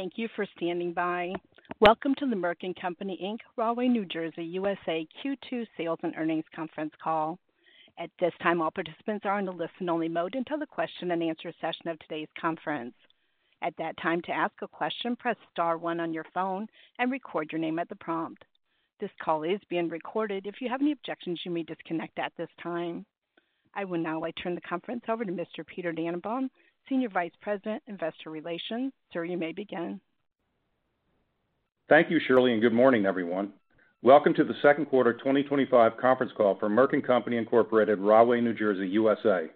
Thank you for standing by. Welcome to the Merck & Co, Inc, Rahway, New Jersey, U.S.A., Q2 Sales and Earnings Conference Call. At this time, all participants are in the listen-only mode until the question and answer session of today's conference. At that time, to ask a question, press star one on your phone and record your name at the prompt. This call is being recorded. If you have any objections, you may disconnect at this time. I will now turn the conference over to Mr. Peter Dannenbaum, Senior Vice President, Investor Relations. Sir, you may begin. Thank you, Shirley, and good morning, everyone. Welcome to the Second Quarter 2025 Conference Call for Merck & Co, Inc, Rahway, New Jersey, U.S.A.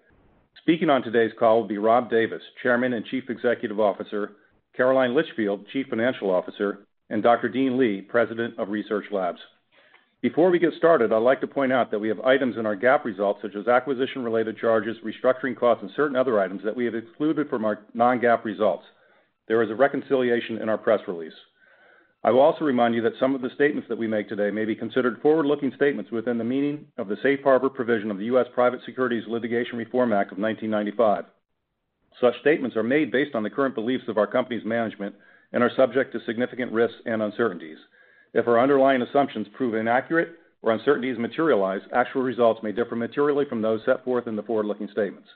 Speaking on today's call will be Rob Davis, Chairman and Chief Executive Officer, Caroline Litchfield, Chief Financial Officer, and Dr. Dean Li, President of Research Labs. Before we get started, I'd like to point out that we have items in our GAAP results, such as acquisition-related charges, restructuring costs, and certain other items that we have excluded from our non-GAAP results. There is a reconciliation in our press release. I will also remind you that some of the statements that we make today may be considered forward-looking statements within the meaning of the Safe Harbor provision of the U.S. Private Securities Litigation Reform Act of 1995. Such statements are made based on the current beliefs of our company's management and are subject to significant risks and uncertainties. If our underlying assumptions prove inaccurate or uncertainties materialize, actual results may differ materially from those set forth in the forward-looking statements.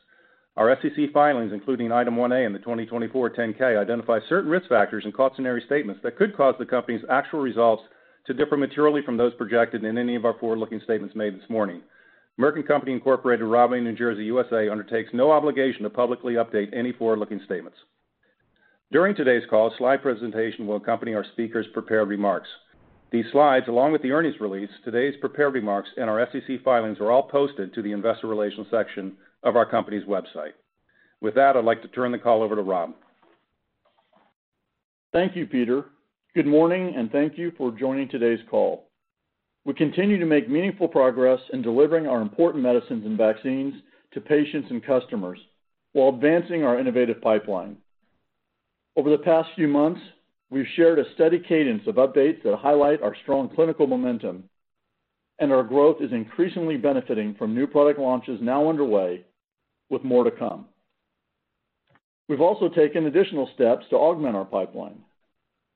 Our SEC filings, including Item 1A in the 2024 10-K, identify certain risk factors and cautionary statements that could cause the company's actual results to differ materially from those projected in any of our forward-looking statements made this morning. Merck & Co, Inc, Rahway, New Jersey, U.S.A., undertakes no obligation to publicly update any forward-looking statements. During today's call, a slide presentation will accompany our speakers' prepared remarks. These slides, along with the earnings release, today's prepared remarks, and our SEC filings, are all posted to the Investor Relations section of our company's website. With that, I'd like to turn the call over to Rob. Thank you, Peter. Good morning, and thank you for joining today's call. We continue to make meaningful progress in delivering our important medicines and vaccines to patients and customers while advancing our innovative pipeline. Over the past few months, we've shared a steady cadence of updates that highlight our strong clinical momentum, and our growth is increasingly benefiting from new product launches now underway, with more to come. We've also taken additional steps to augment our pipeline.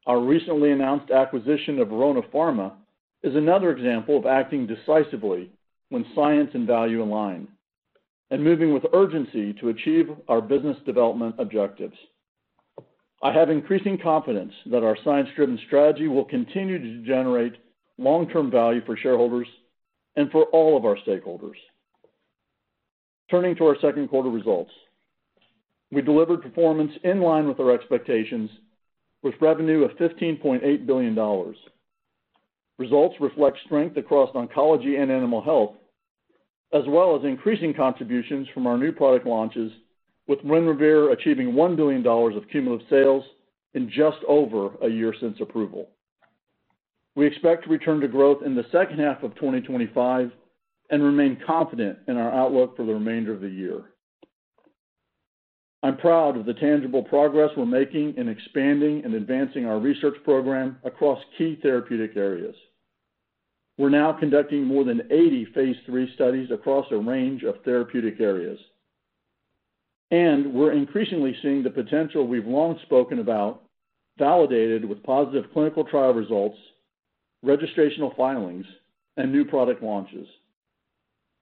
Our recently announced acquisition of Verona Pharma is another example of acting decisively when science and value align, and moving with urgency to achieve our business development objectives. I have increasing confidence that our science-driven strategy will continue to generate long-term value for shareholders and for all of our stakeholders. Turning to our second quarter results, we delivered performance in line with our expectations, with revenue of $15.8 billion. Results reflect strength across oncology and animal health, as well as increasing contributions from our new product launches, with WINREVAIR achieving $1 billion of cumulative sales in just over a year since approval. We expect to return to growth in the second half of 2025 and remain confident in our outlook for the remainder of the year. I'm proud of the tangible progress we're making in expanding and advancing our research program across key therapeutic areas. We're now conducting more than 80 phase III studies across a range of therapeutic areas, and we're increasingly seeing the potential we've long spoken about, validated with positive clinical trial results, registrational filings, and new product launches.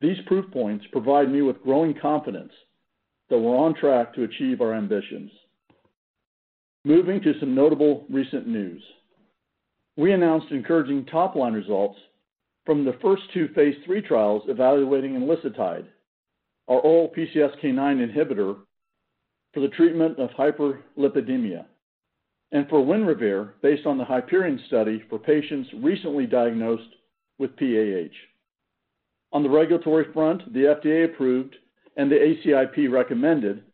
These proof points provide me with growing confidence that we're on track to achieve our ambitions. Moving to some notable recent news, we announced encouraging top-line results from the first two phase III trials evaluating enlicitide, our oral PCSK9 inhibitor, for the treatment of hyperlipidemia, and for WINREVAIR based on the HYPERION study for patients recently diagnosed with PAH. On the regulatory front, the FDA approved and the ACIP recommended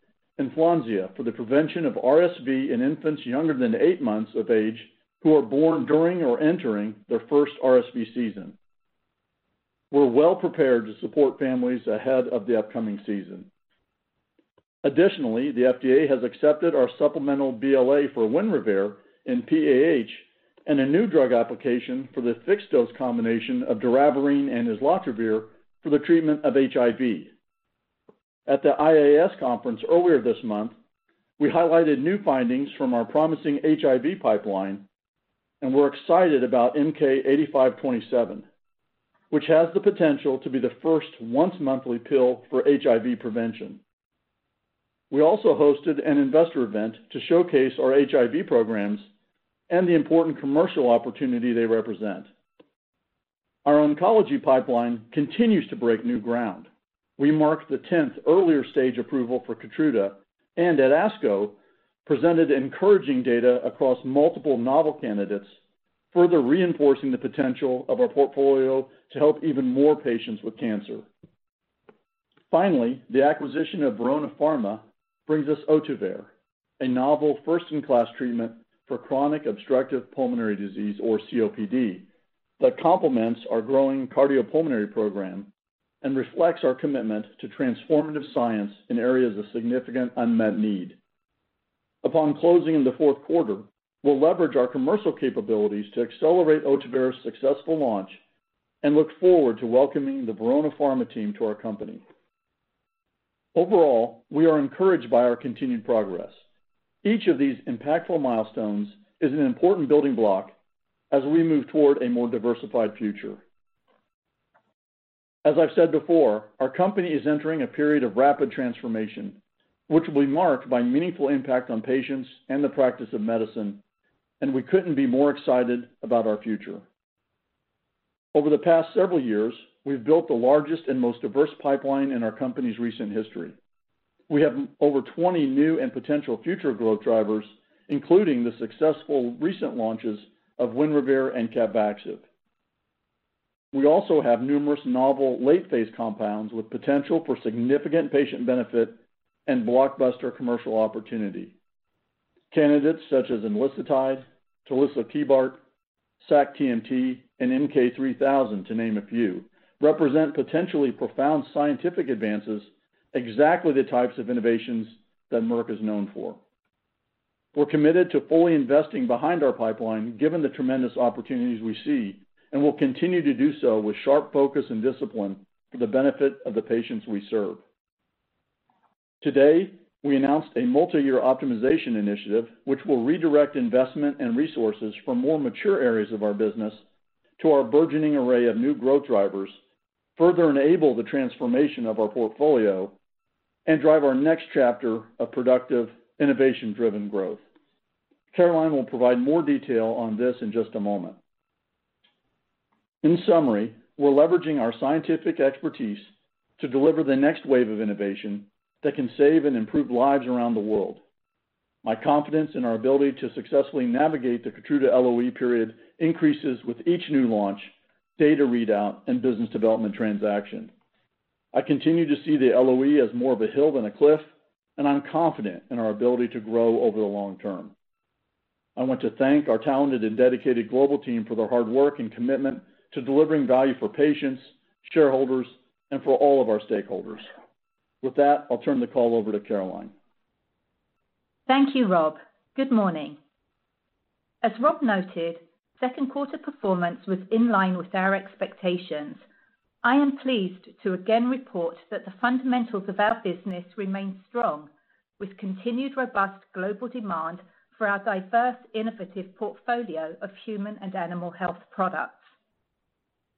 ENFLONSIA for the prevention of RSV in infants younger than eight months of age who are born during or entering their first RSV season. We're well prepared to support families ahead of the upcoming season. Additionally, the FDA has accepted our supplemental BLA for WINREVAIR in PAH and a new drug application for the fixed-dose combination of doravirine and islatravir for the treatment of HIV. At the IAS conference earlier this month, we highlighted new findings from our promising HIV pipeline, and we're excited about MK--8527, which has the potential to be the first once-monthly pill for HIV prevention. We also hosted an investor event to showcase our HIV programs and the important commercial opportunity they represent. Our oncology pipeline continues to break new ground. We marked the 10th earlier stage approval for KEYTRUDA and at ASCO presented encouraging data across multiple novel candidates, further reinforcing the potential of our portfolio to help even more patients with cancer. Finally, the acquisition of Verona Pharma brings us Ohtuvayre, a novel first-in-class treatment for chronic obstructive pulmonary disease, or COPD, that complements our growing cardiopulmonary program and reflects our commitment to transformative science in areas of significant unmet need. Upon closing in the fourth quarter, we'll leverage our commercial capabilities to accelerate Ohtuvayre's successful launch and look forward to welcoming the Verona Pharma team to our company. Overall, we are encouraged by our continued progress. Each of these impactful milestones is an important building block as we move toward a more diversified future. As I've said before, our company is entering a period of rapid transformation, which will be marked by meaningful impact on patients and the practice of medicine, and we couldn't be more excited about our future. Over the past several years, we've built the largest and most diverse pipeline in our company's recent history. We have over 20 new and potential future growth drivers, including the successful recent launches of WINREVAIR and CAPVAXIVE. We also have numerous novel late-phase compounds with potential for significant patient benefit and blockbuster commercial opportunity. Candidates such as enlicitide, tulisokibart, sac-TMT, and MK-3000, to name a few, represent potentially profound scientific advances, exactly the types of innovations that Merck is known for. We're committed to fully investing behind our pipeline, given the tremendous opportunities we see, and we'll continue to do so with sharp focus and discipline for the benefit of the patients we serve. Today, we announced a multi-year optimization initiative, which will redirect investment and resources from more mature areas of our business to our burgeoning array of new growth drivers, further enable the transformation of our portfolio, and drive our next chapter of productive, innovation-driven growth. Caroline will provide more detail on this in just a moment. In summary, we're leveraging our scientific expertise to deliver the next wave of innovation that can save and improve lives around the world. My confidence in our ability to successfully navigate the KEYTRUDA LOE period increases with each new launch, data readout, and business development transaction. I continue to see the LOE as more of a hill than a cliff, and I'm confident in our ability to grow over the long term. I want to thank our talented and dedicated global team for their hard work and commitment to delivering value for patients, shareholders, and for all of our stakeholders. With that, I'll turn the call over to Caroline. Thank you, Rob. Good morning. As Rob noted, second quarter performance was in line with our expectations. I am pleased to again report that the fundamentals of our business remain strong, with continued robust global demand for our diverse, innovative portfolio of human and animal health products.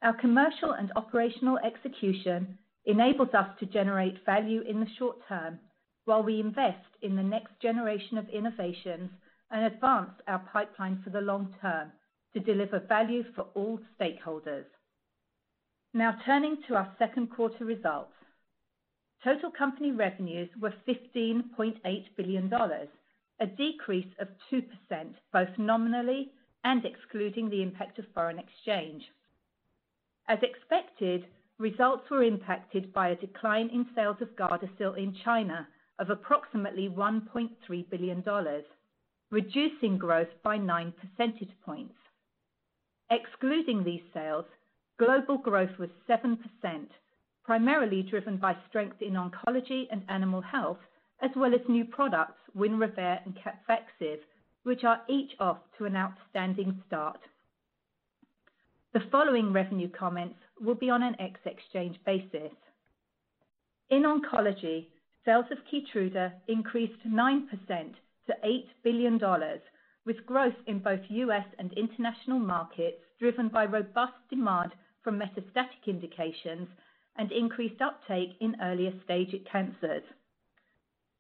Our commercial and operational execution enables us to generate value in the short term, while we invest in the next generation of innovations and advance our pipeline for the long term to deliver value for all stakeholders. Now, turning to our second quarter results, total company revenues were $15.8 billion, a decrease of 2%, both nominally and excluding the impact of foreign exchange. As expected, results were impacted by a decline in sales of GARDASIL in China of approximately $1.3 billion, reducing growth by 9 percentage points. Excluding these sales, global growth was 7%, primarily driven by strength in oncology and animal health, as well as new products, WINREVAIR and CAPVAXIVE, which are each off to an outstanding start. The following revenue comments will be on an ex-exchange basis. In oncology, sales of KEYTRUDA increased 9% to $8 billion, with growth in both U.S. and international markets driven by robust demand from metastatic indications and increased uptake in earlier-stage cancers.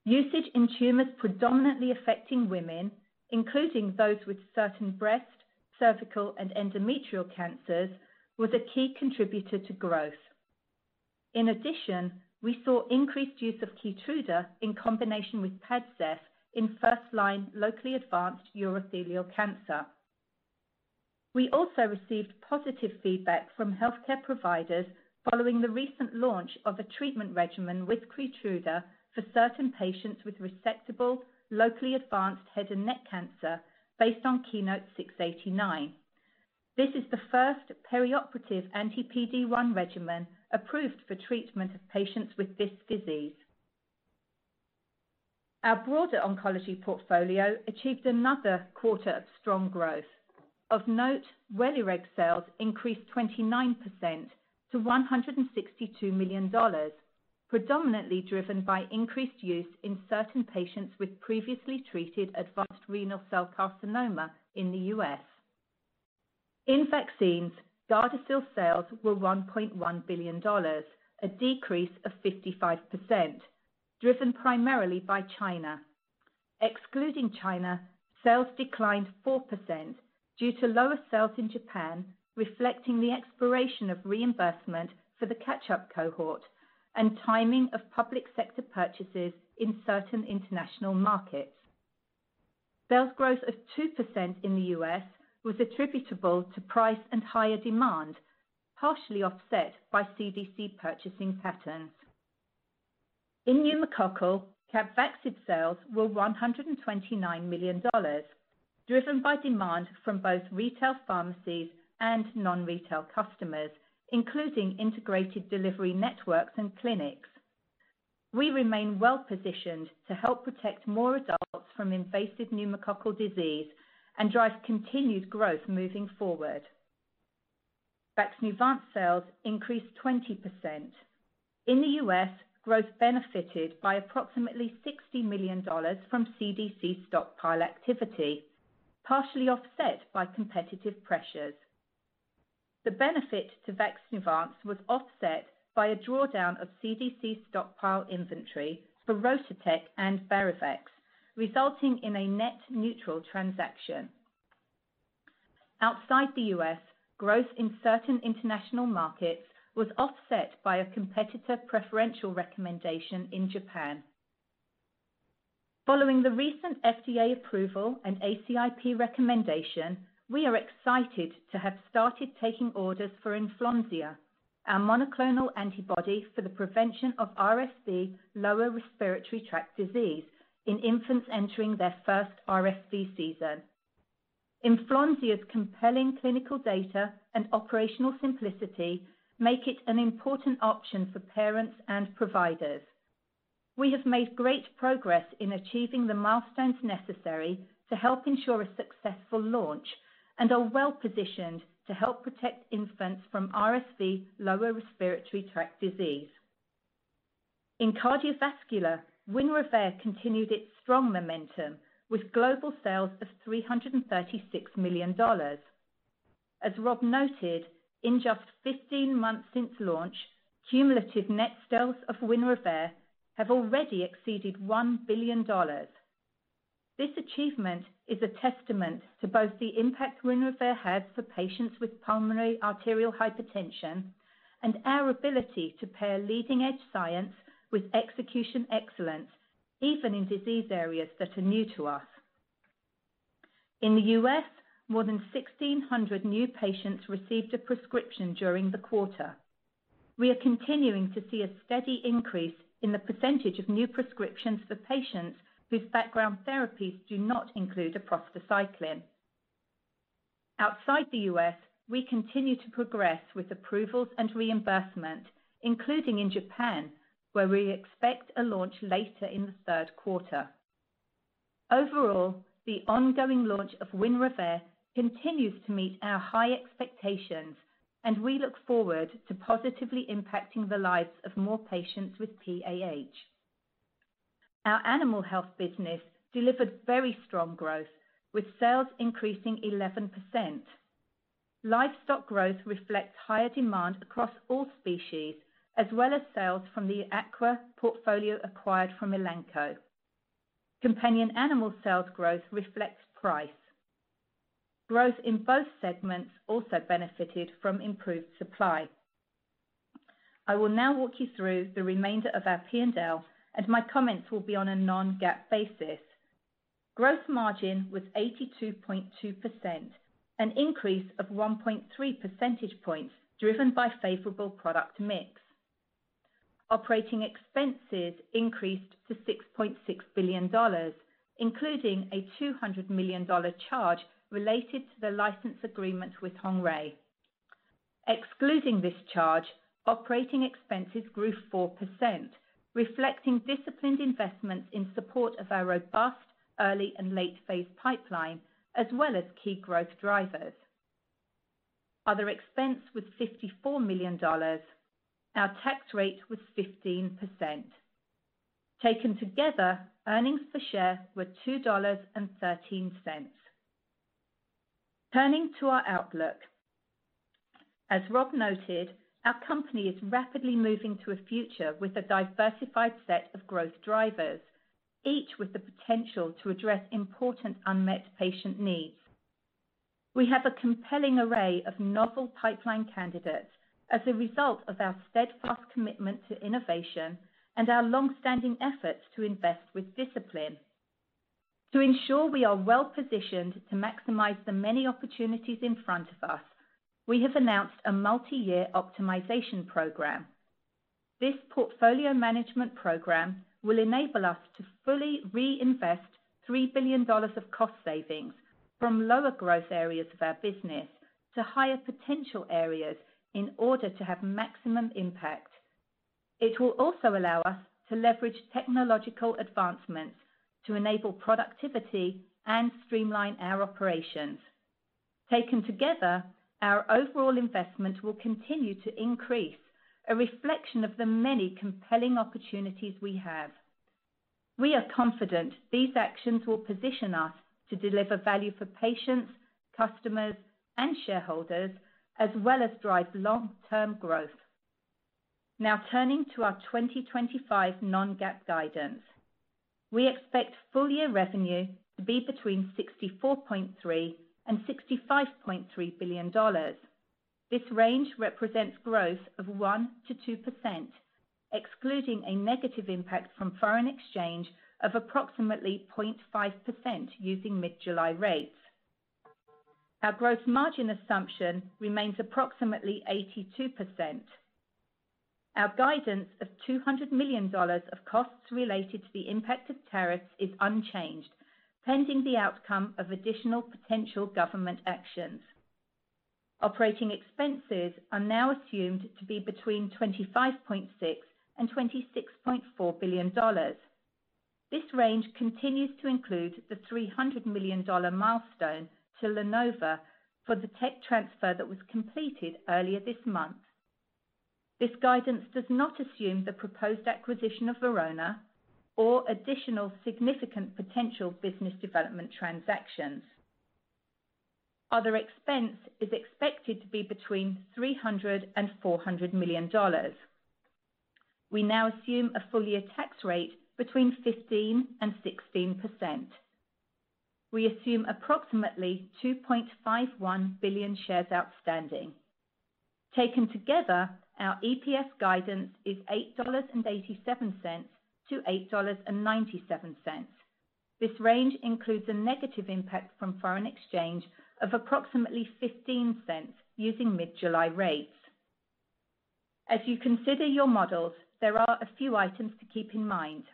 Usage in tumors predominantly affecting women, including those with certain breast, cervical, and endometrial cancers, was a key contributor to growth. In addition, we saw increased use of KEYTRUDA in combination with PET/CEF in first-line locally advanced urothelial cancer. We also received positive feedback from healthcare providers following the recent launch of a treatment regimen with KEYTRUDA for certain patients with resectable, locally advanced head and neck cancer based on KEYNOTE-689. This is the first perioperative anti-PD-1 regimen approved for treatment of patients with this disease. Our broader oncology portfolio achieved another quarter of strong growth. Of note, WELIREG sales increased 29% to $162 million, predominantly driven by increased use in certain patients with previously treated advanced renal cell carcinoma in the U.S. In vaccines, GARDASIL sales were $1.1 billion, a decrease of 55%, driven primarily by China. Excluding China, sales declined 4% due to lower sales in Japan, reflecting the expiration of reimbursement for the catch-up cohort and timing of public sector purchases in certain international markets. Sales growth of 2% in the U.S. was attributable to price and higher demand, partially offset by CDC purchasing patterns. In pneumococcal, CAPVAXIVE sales were $129 million, driven by demand from both retail pharmacies and non-retail customers, including integrated delivery networks and clinics. We remain well positioned to help protect more adults from invasive pneumococcal disease and drive continued growth moving forward. VAXNEUVANCE sales increased 20%. In the U.S., growth benefited by approximately $60 million from CDC stockpile activity, partially offset by competitive pressures. The benefit to VAXNEUVANCE was offset by a drawdown of CDC stockpile inventory for RotaTeq and VARIVAX, resulting in a net neutral transaction. Outside the U.S., growth in certain international markets was offset by a competitor preferential recommendation in Japan. Following the recent FDA approval and ACIP recommendation, we are excited to have started taking orders for ENFLONSIA, our monoclonal antibody for the prevention of RSV lower respiratory tract disease in infants entering their first RSV season. ENFLONSIA's compelling clinical data and operational simplicity make it an important option for parents and providers. We have made great progress in achieving the milestones necessary to help ensure a successful launch and are well positioned to help protect infants from RSV lower respiratory tract disease. In cardiovascular, WINREVAIR continued its strong momentum with global sales of $336 million. As Rob noted, in just 15 months since launch, cumulative net sales of WINREVAIR have already exceeded $1 billion. This achievement is a testament to both the impact WINREVAIR has for patients with pulmonary arterial hypertension and our ability to pair leading-edge science with execution excellence, even in disease areas that are new to us. In the U.S., more than 1,600 new patients received a prescription during the quarter. We are continuing to see a steady increase in the percentage of new prescriptions for patients whose background therapies do not include a prostacycline. Outside the U.S., we continue to progress with approvals and reimbursement, including in Japan, where we expect a launch later in the third quarter. Overall, the ongoing launch of WINREVAIR continues to meet our high expectations, and we look forward to positively impacting the lives of more patients with PAH. Our animal health business delivered very strong growth, with sales increasing 11%. Livestock growth reflects higher demand across all species, as well as sales from the aqua portfolio acquired from Elanco. Companion animal sales growth reflects price. Growth in both segments also benefited from improved supply. I will now walk you through the remainder of our P&L, and my comments will be on a non-GAAP basis. Gross margin was 82.2%, an increase of 1.3 percentage points, driven by favorable product mix. Operating expenses increased to $6.6 billion, including a $200 million charge related to the license agreement with Hengrui. Excluding this charge, operating expenses grew 4%, reflecting disciplined investments in support of our robust early and late-phase pipeline, as well as key growth drivers. Other expense was $54 million. Our tax rate was 15%. Taken together, earnings per share were $2.13. Turning to our outlook, as Rob noted, our company is rapidly moving to a future with a diversified set of growth drivers, each with the potential to address important unmet patient needs. We have a compelling array of novel pipeline candidates as a result of our steadfast commitment to innovation and our longstanding efforts to invest with discipline. To ensure we are well positioned to maximize the many opportunities in front of us, we have announced a multi-year optimization program. This portfolio management program will enable us to fully reinvest $3 billion of cost savings from lower growth areas of our business to higher potential areas in order to have maximum impact. It will also allow us to leverage technological advancements to enable productivity and streamline our operations. Taken together, our overall investment will continue to increase, a reflection of the many compelling opportunities we have. We are confident these actions will position us to deliver value for patients, customers, and shareholders, as well as drive long-term growth. Now, turning to our 2025 non-GAAP guidance, we expect full-year revenue to be between $64.3 and $65.3 billion. This range represents growth of 1% to 2%, excluding a negative impact from foreign exchange of approximately 0.5% using mid-July rates. Our gross margin assumption remains approximately 82%. Our guidance of $200 million of costs related to the impact of tariffs is unchanged, pending the outcome of additional potential government actions. Operating expenses are now assumed to be between $25.6 and $26.4 billion. This range continues to include the $300 million milestone to Lenova for the tech transfer that was completed earlier this month. This guidance does not assume the proposed acquisition of Verona or additional significant potential business development transactions. Other expense is expected to be between $300 million and $400 million. We now assume a full-year tax rate between 15% and 16%. We assume approximately 2.51 billion shares outstanding. Taken together, our EPS guidance is $8.87-$8.97. This range includes a negative impact from foreign exchange of approximately $0.15 using mid-July rates. As you consider your models, there are a few items to keep in mind.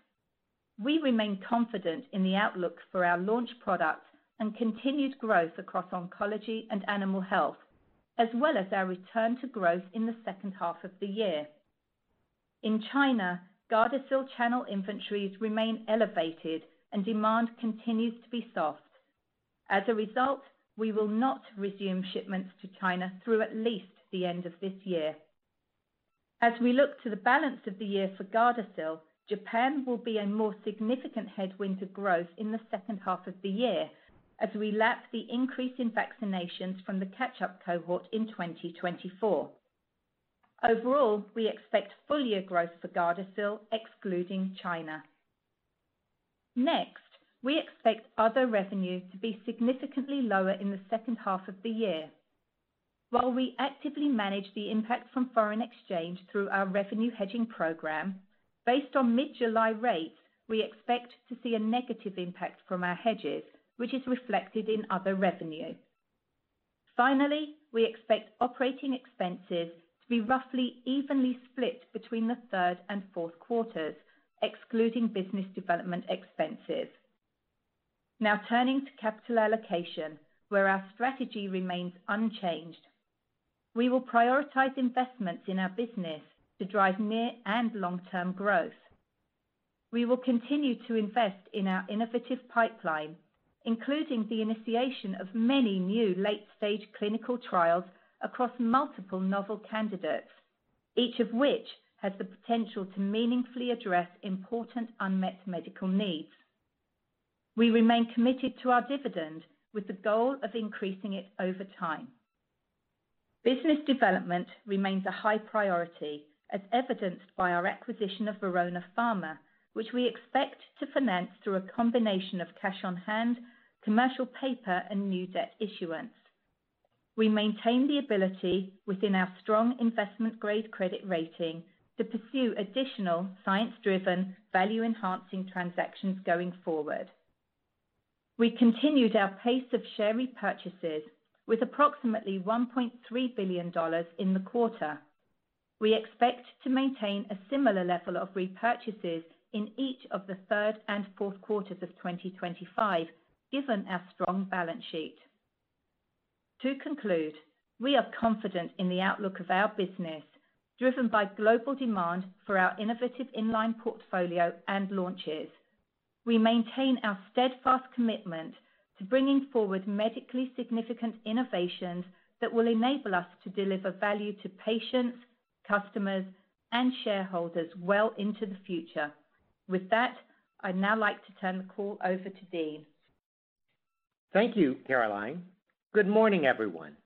We remain confident in the outlook for our launch products and continued growth across oncology and animal health, as well as our return to growth in the second half of the year. In China, GARDASIL channel inventories remain elevated and demand continues to be soft. As a result, we will not resume shipments to China through at least the end of this year. As we look to the balance of the year for GARDASIL, Japan will be a more significant headwind to growth in the second half of the year, as we lapse the increase in vaccinations from the catch-up cohort in 2024. Overall, we expect full-year growth for GARDASIL, excluding China. Next, we expect other revenue to be significantly lower in the second half of the year. While we actively manage the impact from foreign exchange through our revenue hedging program, based on mid-July rates, we expect to see a negative impact from our hedges, which is reflected in other revenue. Finally, we expect operating expenses to be roughly evenly split between the third and fourth quarters, excluding business development expenses. Now, turning to capital allocation, where our strategy remains unchanged, we will prioritize investments in our business to drive near and long-term growth. We will continue to invest in our innovative pipeline, including the initiation of many new late-stage clinical trials across multiple novel candidates, each of which has the potential to meaningfully address important unmet medical needs. We remain committed to our dividend, with the goal of increasing it over time. Business development remains a high priority, as evidenced by our acquisition of Verona Pharma, which we expect to finance through a combination of cash on hand, commercial paper, and new debt issuance. We maintain the ability, within our strong investment-grade credit rating, to pursue additional science-driven, value-enhancing transactions going forward. We continued our pace of share repurchases with approximately $1.3 billion in the quarter. We expect to maintain a similar level of repurchases in each of the third and fourth quarters of 2025, given our strong balance sheet. To conclude, we are confident in the outlook of our business, driven by global demand for our innovative inline portfolio and launches. We maintain our steadfast commitment to bringing forward medically significant innovations that will enable us to deliver value to patients, customers, and shareholders well into the future. With that, I'd now like to turn the call over to Dean. Thank you, Caroline. Good morning, everyone.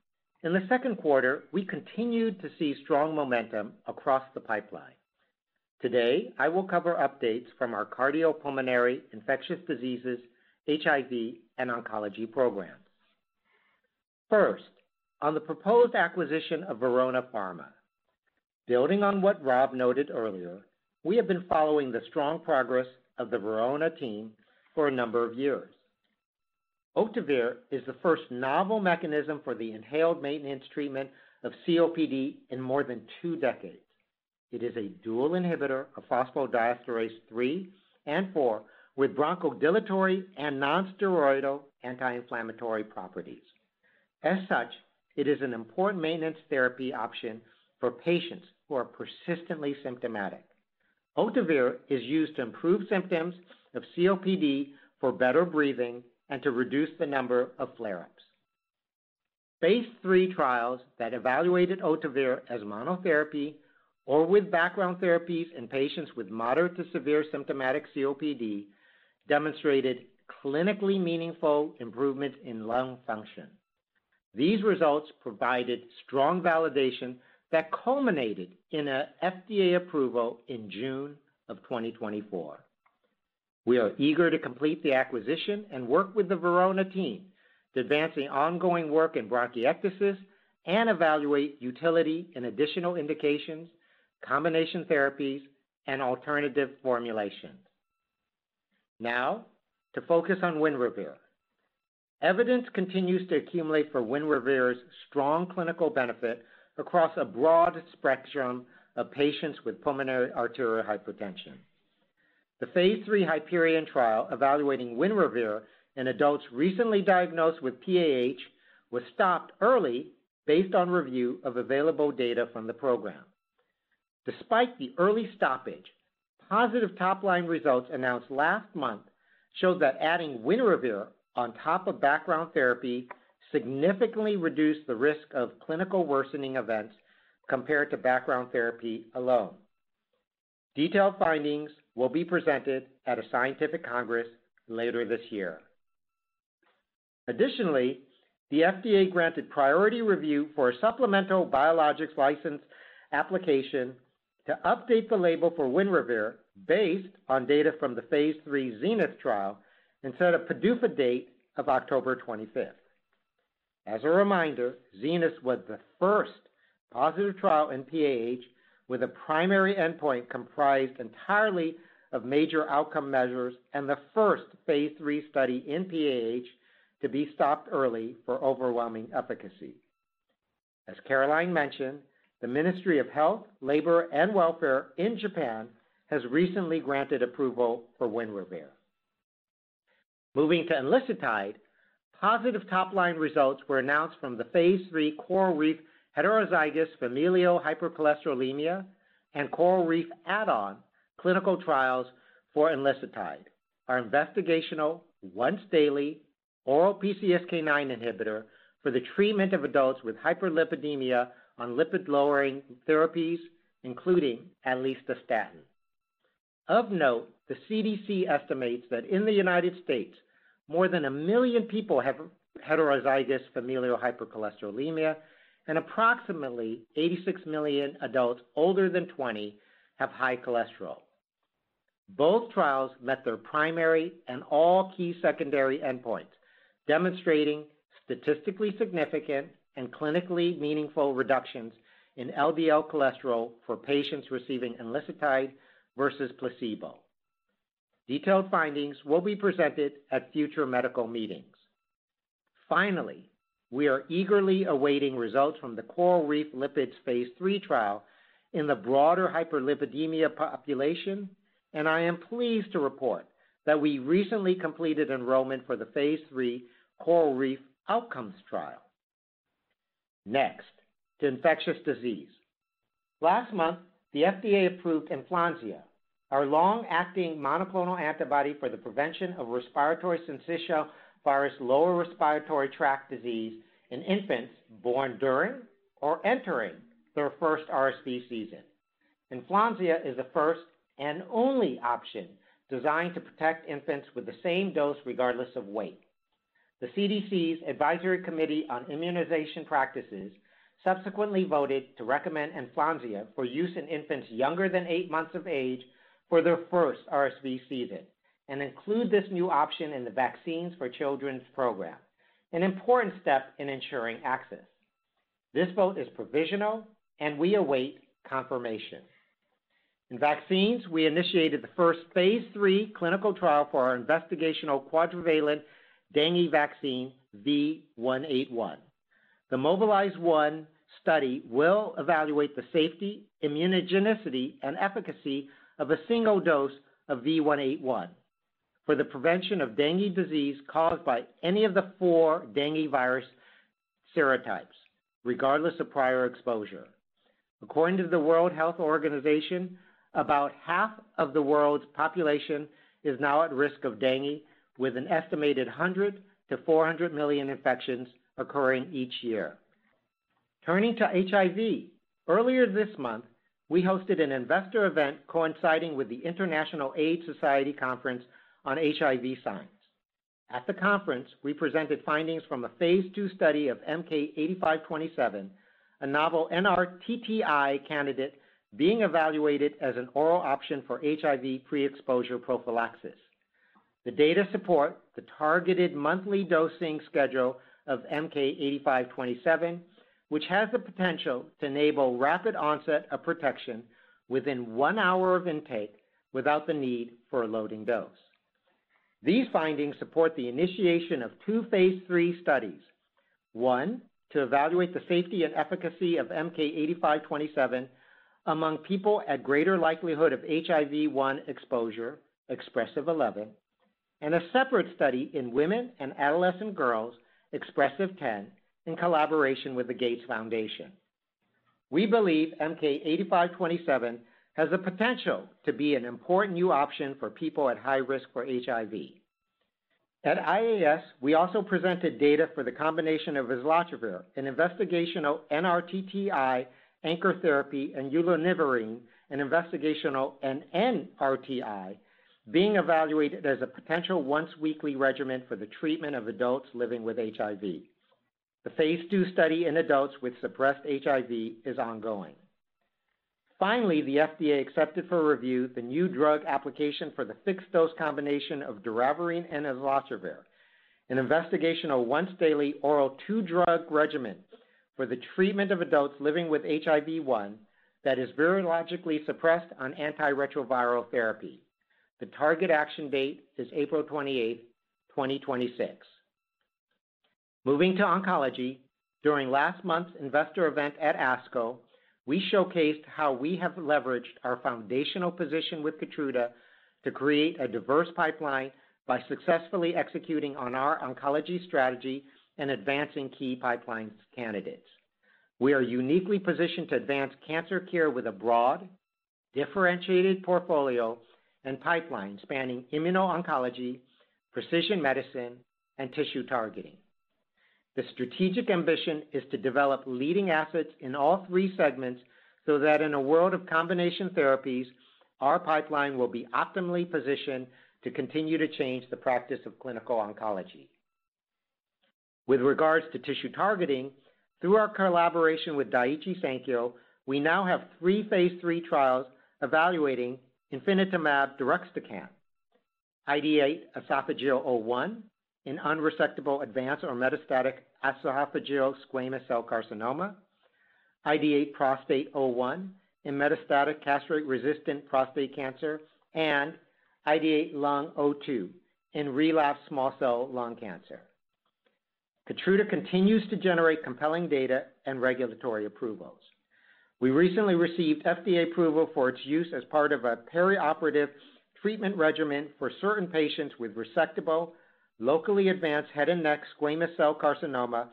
In the second quarter, we continued to see strong momentum across the pipeline. Today, I will cover updates from our cardiopulmonary, infectious diseases, HIV, and oncology programs. First, on the proposed acquisition of Verona Pharma. Building on what Rob noted earlier, we have been following the strong progress of the Verona team for a number of years. Ohtuvayre is the first novel mechanism for the inhaled maintenance treatment of COPD in more than two decades. It is a dual inhibitor of phosphodiesterase III and IV, with bronchodilatory and nonsteroidal anti-inflammatory properties. As such, it is an important maintenance therapy option for patients who are persistently symptomatic. Ohtuvayre is used to improve symptoms of COPD for better breathing and to reduce the number of flare-ups. Phase III trials that evaluated Ohtuvayre as monotherapy or with background therapies in patients with moderate to severe symptomatic COPD demonstrated clinically meaningful improvement in lung function. These results provided strong validation that culminated in an FDA approval in June of 2024. We are eager to complete the acquisition and work with the Verona team to advance the ongoing work in bronchiectasis and evaluate utility in additional indications, combination therapies, and alternative formulations. Now, to focus on WINREVAIR. Evidence continues to accumulate for WINREVAIR's strong clinical benefit across a broad spectrum of patients with pulmonary arterial hypertension. The phase III HYPERION trial evaluating WINREVAIR in adults recently diagnosed with PAH was stopped early based on review of available data from the program. Despite the early stoppage, positive top-line results announced last month showed that adding WINREVAIR on top of background therapy significantly reduced the risk of clinical worsening events compared to background therapy alone. Detailed findings will be presented at a scientific congress later this year. Additionally, the FDA granted priority review for a supplemental biologics license application to update the label for WINREVAIR based on data from the phase III ZENITH trial and set a PDUFA date of October 25. As a reminder, ZENITH was the first positive trial in PAH with a primary endpoint comprised entirely of major outcome measures and the first phase III study in PAH to be stopped early for overwhelming efficacy. As Caroline Litchfield mentioned, the Ministry of Health, Labor, and Welfare in Japan has recently granted approval for WINREVAIR. Moving to enlicitide, positive top-line results were announced from the phase III CORALreef heterozygous familial hypercholesterolemia and CORALreef add-on clinical trials for enlicitide, our investigational once-daily oral PCSK9 inhibitor for the treatment of adults with hyperlipidemia on lipid-lowering therapies, including at least a statin. Of note, the CDC estimates that in the U.S., more than 1 million people have heterozygous familial hypercholesterolemia, and approximately 86 million adults older than 20 have high cholesterol. Both trials met their primary and all key secondary endpoints, demonstrating statistically significant and clinically meaningful reductions in LDL cholesterol for patients receiving enlicitide versus placebo. Detailed findings will be presented at future medical meetings. Finally, we are eagerly awaiting results from the CORALreef Lipids phase III trial in the broader hyperlipidemia population, and I am pleased to report that we recently completed enrollment for the phase III CORALreef Outcomes trial. Next, to infectious disease. Last month, the FDA approved ENFLONSIA, our long-acting monoclonal antibody for the prevention of respiratory syncytial virus lower respiratory tract disease in infants born during or entering their first RSV season. ENFLONSIA is the first and only option designed to protect infants with the same dose regardless of weight. The CDC's Advisory Committee on Immunization Practices subsequently voted to recommend ENFLONSIA for use in infants younger than eight months of age for their first RSV season and include this new option in the Vaccines for Children program, an important step in ensuring access. This vote is provisional, and we await confirmation. In vaccines, we initiated the first phase III clinical trial for our investigational quadrivalent dengue vaccine, V181. The Mobilized One study will evaluate the safety, immunogenicity, and efficacy of a single dose of V181 for the prevention of dengue disease caused by any of the four dengue virus serotypes, regardless of prior exposure. According to the World Health Organization, about half of the world's population is now at risk of dengue, with an estimated 100 million-400 million infections occurring each year. Turning to HIV, earlier this month, we hosted an investor event coinciding with the International AIDS Society Conference on HIV Science. At the conference, we presented findings from a phase II study of MK-8527, a novel NRTTI candidate being evaluated as an oral option for HIV pre-exposure prophylaxis. The data support the targeted monthly dosing schedule of MK-8527, which has the potential to enable rapid onset of protection within one hour of intake without the need for a loading dose. These findings support the initiation of two phase III studies: one to evaluate the safety and efficacy of MK-8527 among people at greater likelihood of HIV-1 exposure, Express 11, and a separate study in women and adolescent girls, Express 10, in collaboration with the Gates Foundation. We believe MK-8527 has the potential to be an important new option for people at high risk for HIV. At IAS, we also presented data for the combination of islatravir, an investigational NRTTI anchor therapy, and ulinivirine, an investigational NNRTI, being evaluated as a potential once-weekly regimen for the treatment of adults living with HIV. The phase II study in adults with suppressed HIV is ongoing. Finally, the FDA accepted for review the new drug application for the fixed-dose combination of doravirine and islatravir, an investigational once-daily oral two-drug regimen for the treatment of adults living with HIV-1 that is virologically suppressed on antiretroviral therapy. The target action date is April 28, 2026. Moving to oncology, during last month's investor event at ASCO, we showcased how we have leveraged our foundational position with KEYTRUDA to create a diverse pipeline by successfully executing on our oncology strategy and advancing key pipeline candidates. We are uniquely positioned to advance cancer care with a broad, differentiated portfolio and pipeline spanning immuno-oncology, precision medicine, and tissue targeting. The strategic ambition is to develop leading assets in all three segments so that in a world of combination therapies, our pipeline will be optimally positioned to continue to change the practice of clinical oncology. With regards to tissue targeting, through our collaboration with Daiichi Sankyo, we now have three phase III trials evaluating ifinatamab deruxtecan, ID8 esophageal O1 in unresectable advanced or metastatic esophageal squamous cell carcinoma, ID8 prostate O1 in metastatic castrate-resistant prostate cancer, and ID8 lung O2 in relapsed small cell lung cancer. KEYTRUDA continues to generate compelling data and regulatory approvals. We recently received FDA approval for its use as part of a perioperative treatment regimen for certain patients with resectable, locally advanced head and neck squamous cell carcinoma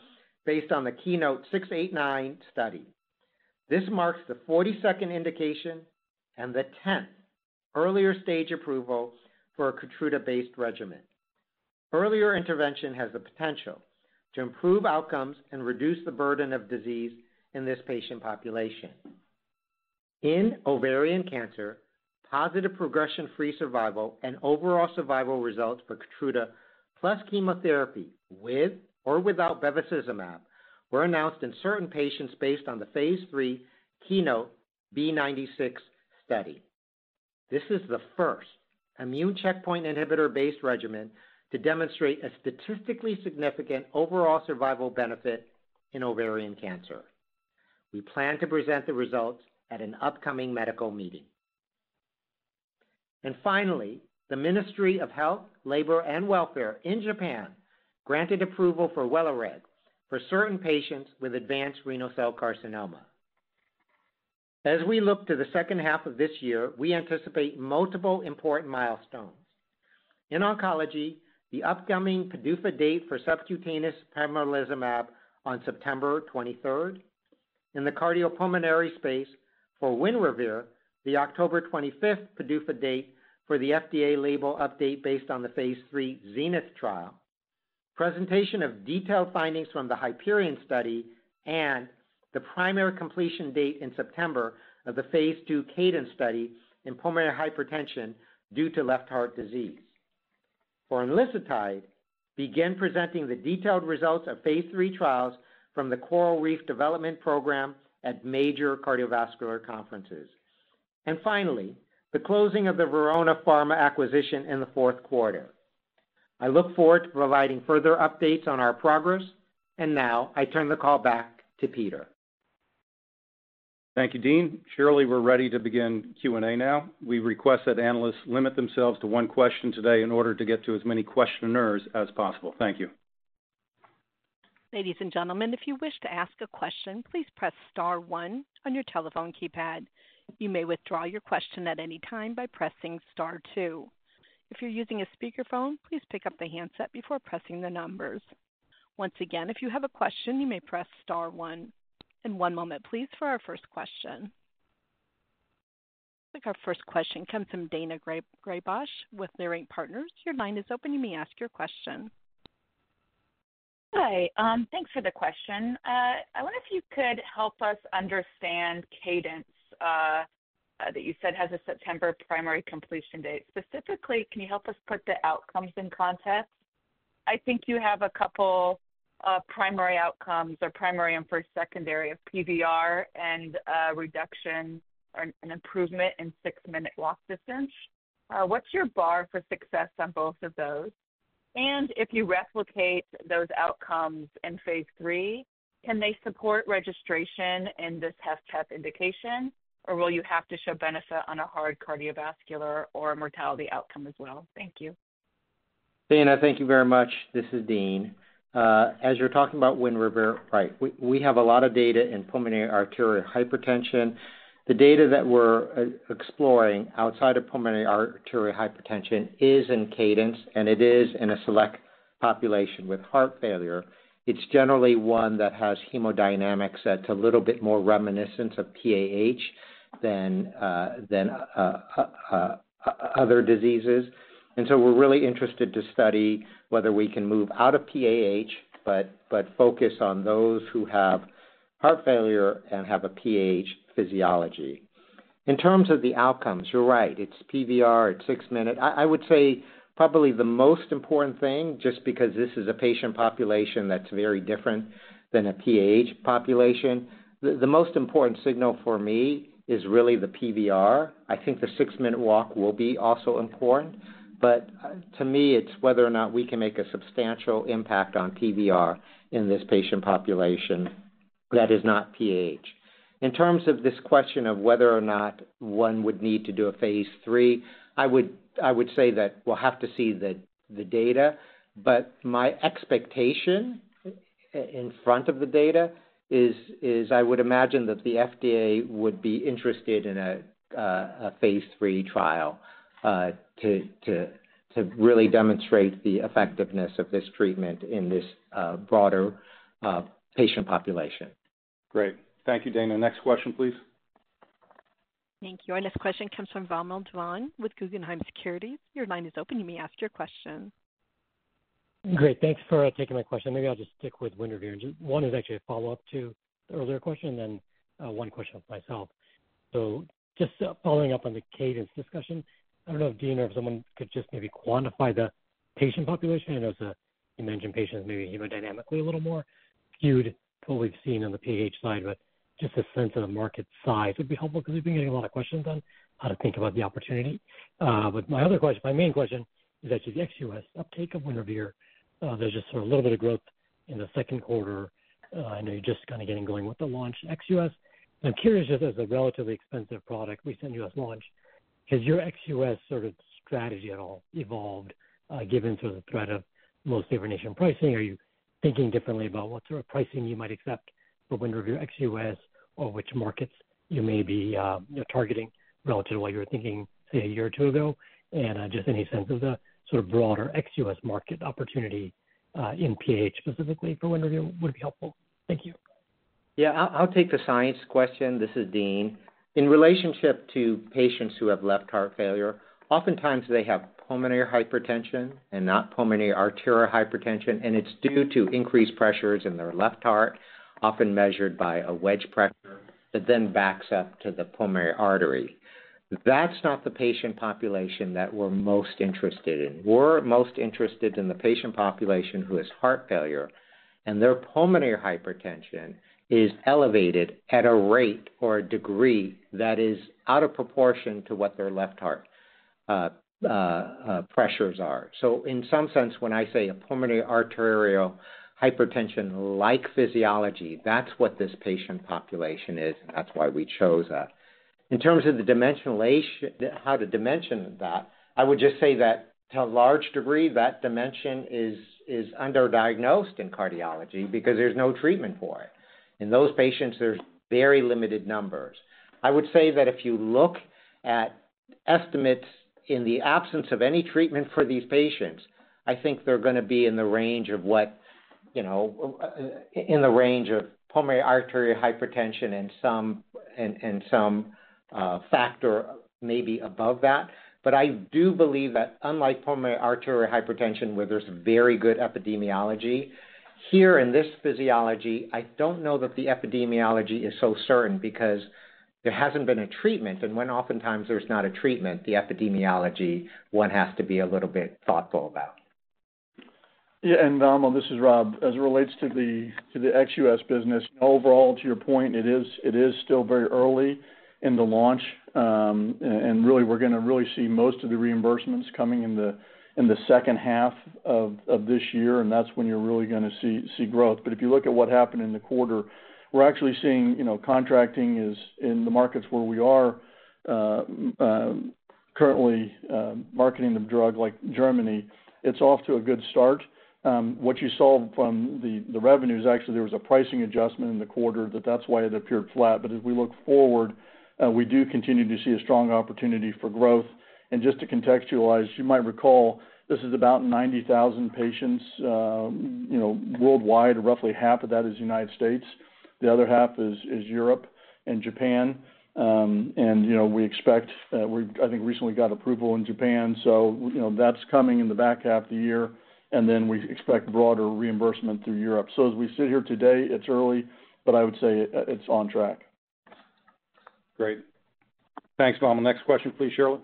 based on the KEYNOTE 689 study. This marks the 42nd indication and the 10th earlier stage approval for a KEYTRUDA-based regimen. Earlier intervention has the potential to improve outcomes and reduce the burden of disease in this patient population. In ovarian cancer, positive progression-free survival and overall survival results for KEYTRUDA plus chemotherapy with or without bevacizumab were announced in certain patients based on the phase III KEYNOTE B96 study. This is the first immune checkpoint inhibitor-based regimen to demonstrate a statistically significant overall survival benefit in ovarian cancer. We plan to present the results at an upcoming medical meeting. Finally, the Ministry of Health, Labor, and Welfare in Japan granted approval for WELIREG for certain patients with advanced renal cell carcinoma. As we look to the second half of this year, we anticipate multiple important milestones. In oncology, the upcoming PDUFA date for subcutaneous pembrolizumab on September 23rd, in the cardiopulmonary space for WINREVAIR, the October 25th PDUFA date for the FDA label update based on the phase III ZENITH trial, presentation of detailed findings from the HYPERION study, and the primary completion date in September of the phase II CADIN study in pulmonary hypertension due to left heart disease. For enlicitide, begin presenting the detailed results of phase III trials from the CORALreef Development Program at major cardiovascular conferences. Finally, the closing of the Verona Pharma acquisition in the fourth quarter. I look forward to providing further updates on our progress. I turn the call back to Peter. Thank you, Dean. Shirley, we're ready to begin Q&A now. We request that analysts limit themselves to one question today in order to get to as many questioners as possible. Thank you. Ladies and gentlemen, if you wish to ask a question, please press star one on your telephone keypad. You may withdraw your question at any time by pressing star two. If you're using a speakerphone, please pick up the handset before pressing the numbers. Once again, if you have a question, you may press star one. One moment, please, for our first question. Our first question comes from Daina Graybosch with Leerink Partners. Your line is open. You may ask your question. Hi. Thanks for the question. I wonder if you could help us understand CADIN that you said has a September primary completion date. Specifically, can you help us put the outcomes in context? I think you have a couple of primary outcomes or primary and first secondary of PVR and reduction or an improvement in six-minute walk distance. What's your bar for success on both of those? If you replicate those outcomes in phase III, can they support registration in this HFpEF indication, or will you have to show benefit on a hard cardiovascular or mortality outcome as well? Thank you. Daina, thank you very much. This is Dean. As you're talking about WINREVAIR, right, we have a lot of data in pulmonary arterial hypertension. The data that we're exploring outside of pulmonary arterial hypertension is in CADINs, and it is in a select population with heart failure. It's generally one that has hemodynamics that's a little bit more reminiscent of PAH than other diseases. We are really interested to study whether we can move out of PAH but focus on those who have heart failure and have a PAH physiology. In terms of the outcomes, you're right. It's PVR at six minutes. I would say probably the most important thing, just because this is a patient population that's very different than a PAH population, the most important signal for me is really the PVR. I think the six-minute walk will be also important. To me, it's whether or not we can make a substantial impact on PVR in this patient population that is not PAH. In terms of this question of whether or not one would need to do a phase III, I would say that we'll have to see the data. My expectation in front of the data is I would imagine that the FDA would be interested in a phase III trial to really demonstrate the effectiveness of this treatment in this broader patient population. Great. Thank you, Daina. Next question, please. Thank you. Our next question comes from Vamil Divan with Guggenheim Securities. Your line is open. You may ask your question. Great. Thanks for taking my question. Maybe I'll just stick with WINREVAIR. One is actually a follow-up to the earlier question and then one question of myself. Just following up on the CADIN discussion, I don't know if Dean or if someone could just maybe quantify the patient population. I know you mentioned patients maybe hemodynamically a little more skewed than what we've seen on the pulmonary arterial hypertension side, but just a sense of the market size would be helpful because we've been getting a lot of questions on how to think about the opportunity. My other question, my main question, is actually the ex-U.S. uptake of WINREVAIR. There's just sort of a little bit of growth in the second quarter. I know you're just kind of getting going with the launch ex-U.S. I'm curious, just as a relatively expensive product, recent U.S. launch, has your ex-U.S. sort of strategy at all evolved given sort of the threat of mostly overnation pricing? Are you thinking differently about what sort of pricing you might accept for WINREVAIR ex-U.S. or which markets you may be targeting relative to what you were thinking, say, a year or two ago? Any sense of the sort of broader ex-U.S. market opportunity in pulmonary arterial hypertension specifically for WINREVAIR would be helpful. Thank you. Yeah, I'll take the science question. This is DeanIn relationship to patients who have left heart failure, oftentimes they have pulmonary hypertension and not pulmonary arterial hypertension, and it's due to increased pressures in their left heart, often measured by a wedge pressure that then backs up to the pulmonary artery. That's not the patient population that we're most interested in. We're most interested in the patient population who has heart failure, and their pulmonary hypertension is elevated at a rate or a degree that is out of proportion to what their left heart pressures are. In some sense, when I say a pulmonary arterial hypertension-like physiology, that's what this patient population is, and that's why we chose it. In terms of the dimensional, how to dimension that, I would just say that to a large degree, that dimension is underdiagnosed in cardiology because there's no treatment for it. In those patients, there's very limited numbers. I would say that if you look at estimates in the absence of any treatment for these patients, I think they're going to be in the range of what, you know, in the range of pulmonary arterial hypertension and some factor maybe above that. I do believe that unlike pulmonary arterial hypertension, where there's very good epidemiology, here in this physiology, I don't know that the epidemiology is so certain because there hasn't been a treatment. When oftentimes there's not a treatment, the epidemiology one has to be a little bit thoughtful about. Yeah, and this is Rob. As it relates to the ex-U.S. business, overall, to your point, it is still very early in the launch. We're going to really see most of the reimbursements coming in the second half of this year, and that's when you're really going to see growth. If you look at what happened in the quarter, we're actually seeing contracting in the markets where we are currently marketing the drug, like Germany. It's off to a good start. What you saw from the revenues, actually, there was a pricing adjustment in the quarter, that's why it appeared flat. As we look forward, we do continue to see a strong opportunity for growth. Just to contextualize, you might recall, this is about 90,000 patients worldwide. Roughly half of that is the United States. The other half is Europe and Japan. We expect, I think, recently got approval in Japan, so that's coming in the back half of the year. We expect broader reimbursement through Europe. As we sit here today, it's early, but I would say it's on track. Great. Thanks, Valmel. Next question, please, Shirley.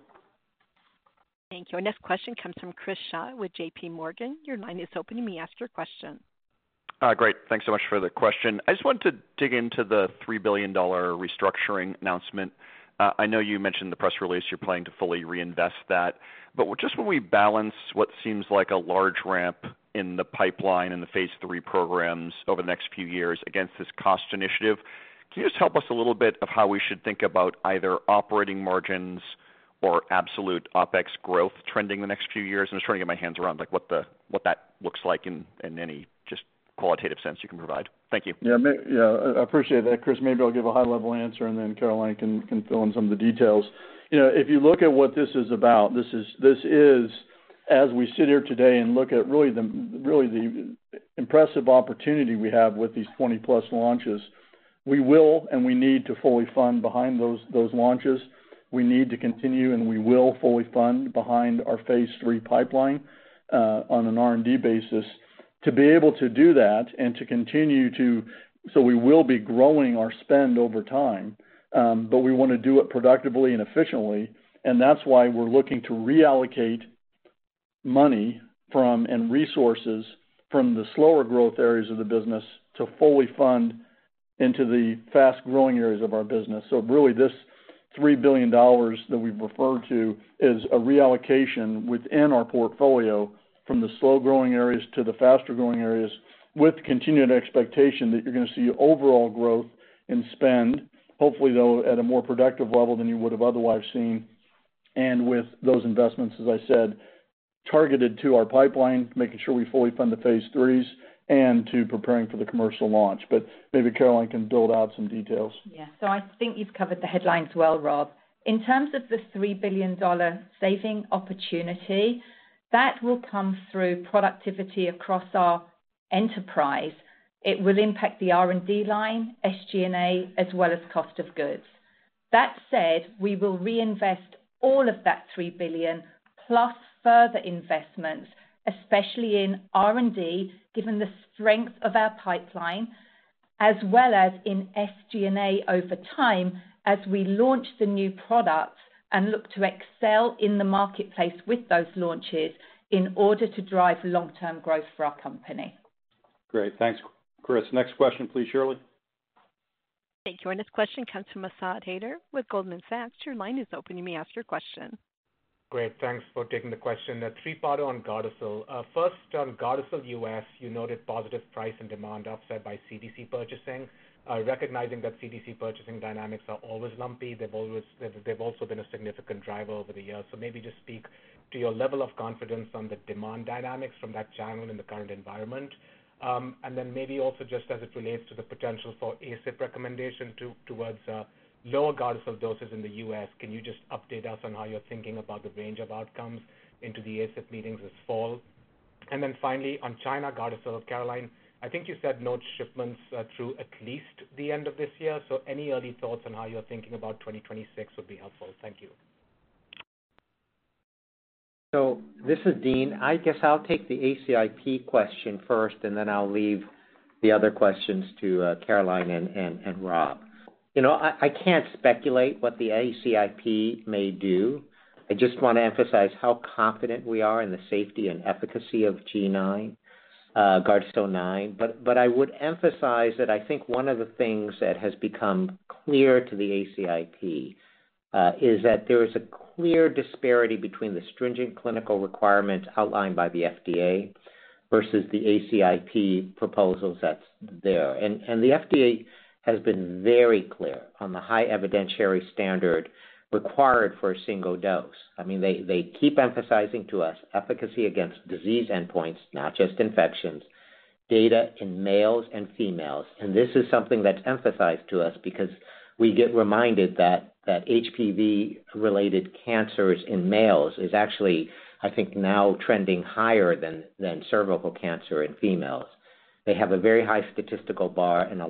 Thank you. Our next question comes from [Chris Shah] with JPMorgan. Your line is open. You may ask your question. Great. Thanks so much for the question. I just wanted to dig into the $3 billion restructuring announcement. I know you mentioned in the press release you're planning to fully reinvest that. When we balance what seems like a large ramp in the pipeline and the phase III programs over the next few years against this cost initiative, can you just help us a little bit with how we should think about either operating margins or absolute OpEx growth trending the next few years? I'm just trying to get my hands around what that looks like in any just qualitative sense you can provide. Thank you. Yeah, I appreciate that, Chris. Maybe I'll give a high-level answer, and then Caroline can fill in some of the details. If you look at what this is about, this is, as we sit here today and look at really the impressive opportunity we have with these 20+ launches, we will and we need to fully fund behind those launches. We need to continue and we will fully fund behind our phase III pipeline on an R&D basis to be able to do that and to continue to, we will be growing our spend over time. We want to do it productively and efficiently. That's why we're looking to reallocate money and resources from the slower growth areas of the business to fully fund into the fast-growing areas of our business. Really, this $3 billion that we've referred to is a reallocation within our portfolio from the slow-growing areas to the faster-growing areas with continued expectation that you're going to see overall growth in spend, hopefully, though, at a more productive level than you would have otherwise seen. With those investments, as I said, targeted to our pipeline, making sure we fully fund the phase IIIs and to preparing for the commercial launch. Maybe Caroline can build out some details. I think you've covered the headlines well, Rob. In terms of the $3 billion saving opportunity, that will come through productivity across our enterprise. It will impact the R&D line, SG&A, as well as cost of goods. That said, we will reinvest all of that $3 billion plus further investments, especially in R&D, given the strength of our pipeline, as well as in SG&A over time as we launch the new products and look to excel in the marketplace with those launches in order to drive long-term growth for our company. Great. Thanks, Chris. Next question, please, Shirley. Thank you. Our next question comes from Asad Haider with Goldman Sachs. Your line is open. You may ask your question. Great. Thanks for taking the question. A three-parter on GARDASIL. First, on GARDASIL U.S., you noted positive price and demand offset by CDC purchasing, recognizing that CDC purchasing dynamics are always lumpy. They've also been a significant driver over the years. Please speak to your level of confidence on the demand dynamics from that channel in the current environment. Also, just as it relates to the potential for ACIP recommendation towards lower GARDASIL doses in the U.S., can you update us on how you're thinking about the range of outcomes into the ACIP meetings this fall? Finally, on China GARDASIL, Caroline, I think you said no shipments through at least the end of this year. Any early thoughts on how you're thinking about 2026 would be helpful. Thank you. This is Dean. I'll take the ACIP question first, and then I'll leave the other questions to Caroline and Rob. I can't speculate what the ACIP may do. I just want to emphasize how confident we are in the safety and efficacy of GARDASIL 9. I would emphasize that I think one of the things that has become clear to the ACIP is that there is a clear disparity between the stringent clinical requirements outlined by the FDA versus the ACIP proposals that's there. The FDA has been very clear on the high evidentiary standard required for a single dose. They keep emphasizing to us efficacy against disease endpoints, not just infections, data in males and females. This is something that's emphasized to us because we get reminded that HPV-related cancers in males is actually, I think, now trending higher than cervical cancer in females. They have a very high statistical bar and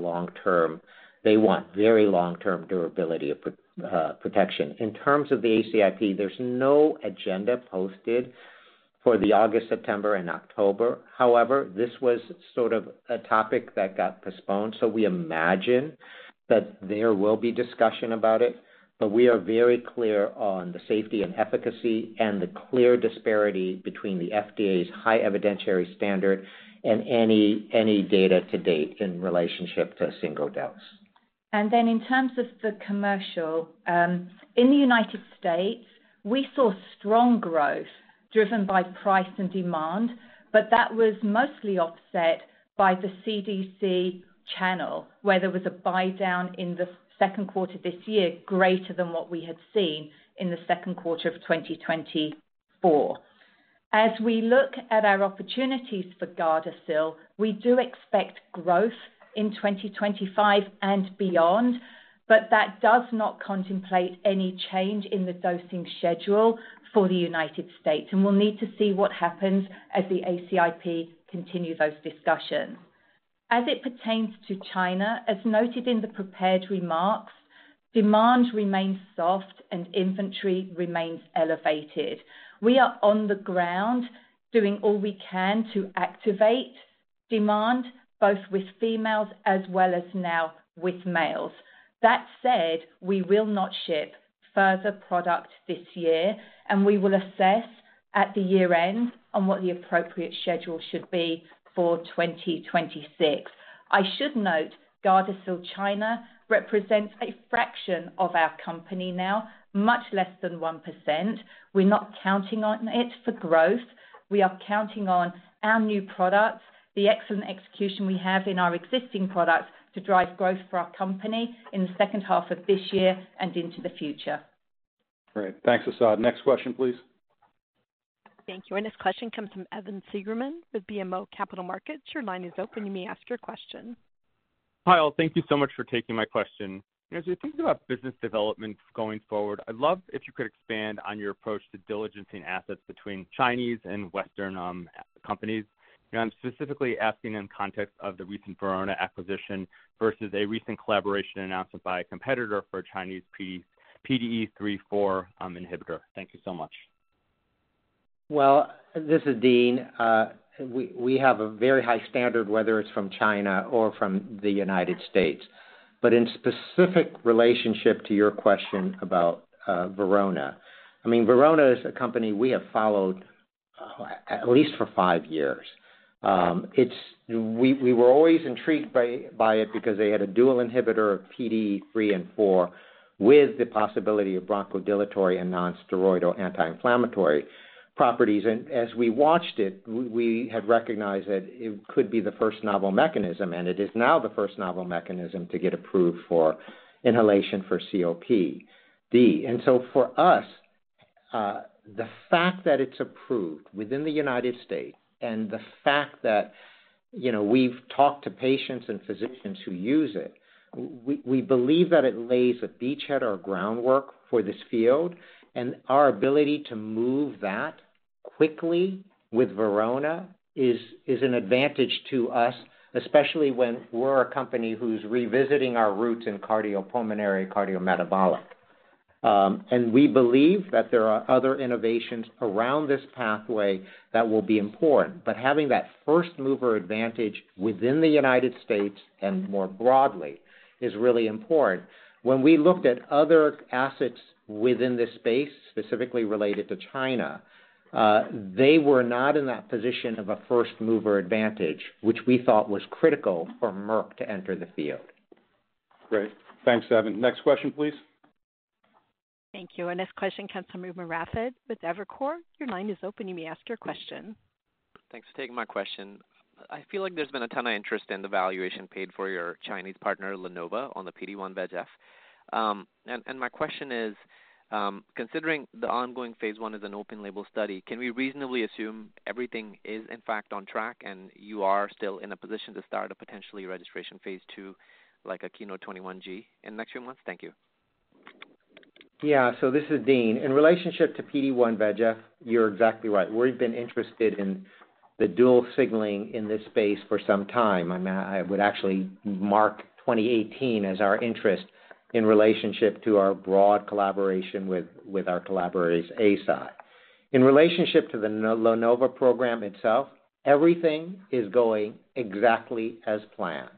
they want very long-term durability of protection. In terms of the ACIP, there's no agenda posted for August, September, and October. However, this was a topic that got postponed. We imagine that there will be discussion about it. We are very clear on the safety and efficacy and the clear disparity between the FDA's high evidentiary standard and any data to date in relationship to a single dose. In terms of the commercial, in the U.S., we saw strong growth driven by price and demand, but that was mostly offset by the CDC channel, where there was a buy-down in the second quarter this year, greater than what we had seen in the second quarter of 2024. As we look at our opportunities for GARDASIL, we do expect growth in 2025 and beyond, but that does not contemplate any change in the dosing schedule for the U.S. We will need to see what happens as the ACIP continues those discussions. As it pertains to China, as noted in the prepared remarks, demand remains soft and inventory remains elevated. We are on the ground doing all we can to activate demand, both with females as well as now with males. That said, we will not ship further product this year, and we will assess at the year's end on what the appropriate schedule should be for 2026. I should note GARDASIL China represents a fraction of our company now, much less than 1%. We're not counting on it for growth. We are counting on our new products, the excellent execution we have in our existing products to drive growth for our company in the second half of this year and into the future. Great. Thanks, Asad. Next question, please. Thank you. Our next question comes from Evan Seigerman with BMO Capital Markets. Your line is open. You may ask your question. Hi, all. Thank you so much for taking my question. As you think about business development going forward, I'd love if you could expand on your approach to diligencing assets between Chinese and Western companies. I'm specifically asking in the context of the recent Verona acquisition versus a recent collaboration announced by a competitor for a Chinese PDE34 inhibitor. Thank you so much. This is Dean. We have a very high standard, whether it's from China or from the United States. In specific relationship to your question about Verona, I mean, Verona is a company we have followed at least for five years. We were always intrigued by it because they had a dual inhibitor of PDE3 and PDE4 with the possibility of bronchodilatory and nonsteroidal anti-inflammatory properties. As we watched it, we had recognized that it could be the first novel mechanism, and it is now the first novel mechanism to get approved for inhalation for COPD. For us, the fact that it's approved within the United States and the fact that we've talked to patients and physicians who use it, we believe that it lays a beachhead or a groundwork for this field. Our ability to move that quickly with Verona is an advantage to us, especially when we're a company who's revisiting our roots in cardiopulmonary cardiometabolic. We believe that there are other innovations around this pathway that will be important. Having that first-mover advantage within the United States and more broadly is really important. When we looked at other assets within this space, specifically related to China, they were not in that position of a first-mover advantage, which we thought was critical for Merck to enter the field. Great. Thanks, Evan. Next question, please. Thank you. Our next question comes from [Radford] with Evercore. Your line is open. You may ask your question. Thanks for taking my question. I feel like there's been a ton of interest in the valuation paid for your Chinese partner on the PD-1 VEGF. My question is, considering the ongoing phase I is an open-label study, can we reasonably assume everything is, in fact, on track and you are still in a position to start a potentially registration phase II, like a KEYNOTE 21G, in the next few months? Thank you. Yeah, so this is Dean. In relationship to PD-1 VEGF, you're exactly right. We've been interested in the dual signaling in this space for some time. I would actually mark 2018 as our interest in relationship to our broad collaboration with our collaborators, ASOD. In relationship to the LaNova program itself, everything is going exactly as planned.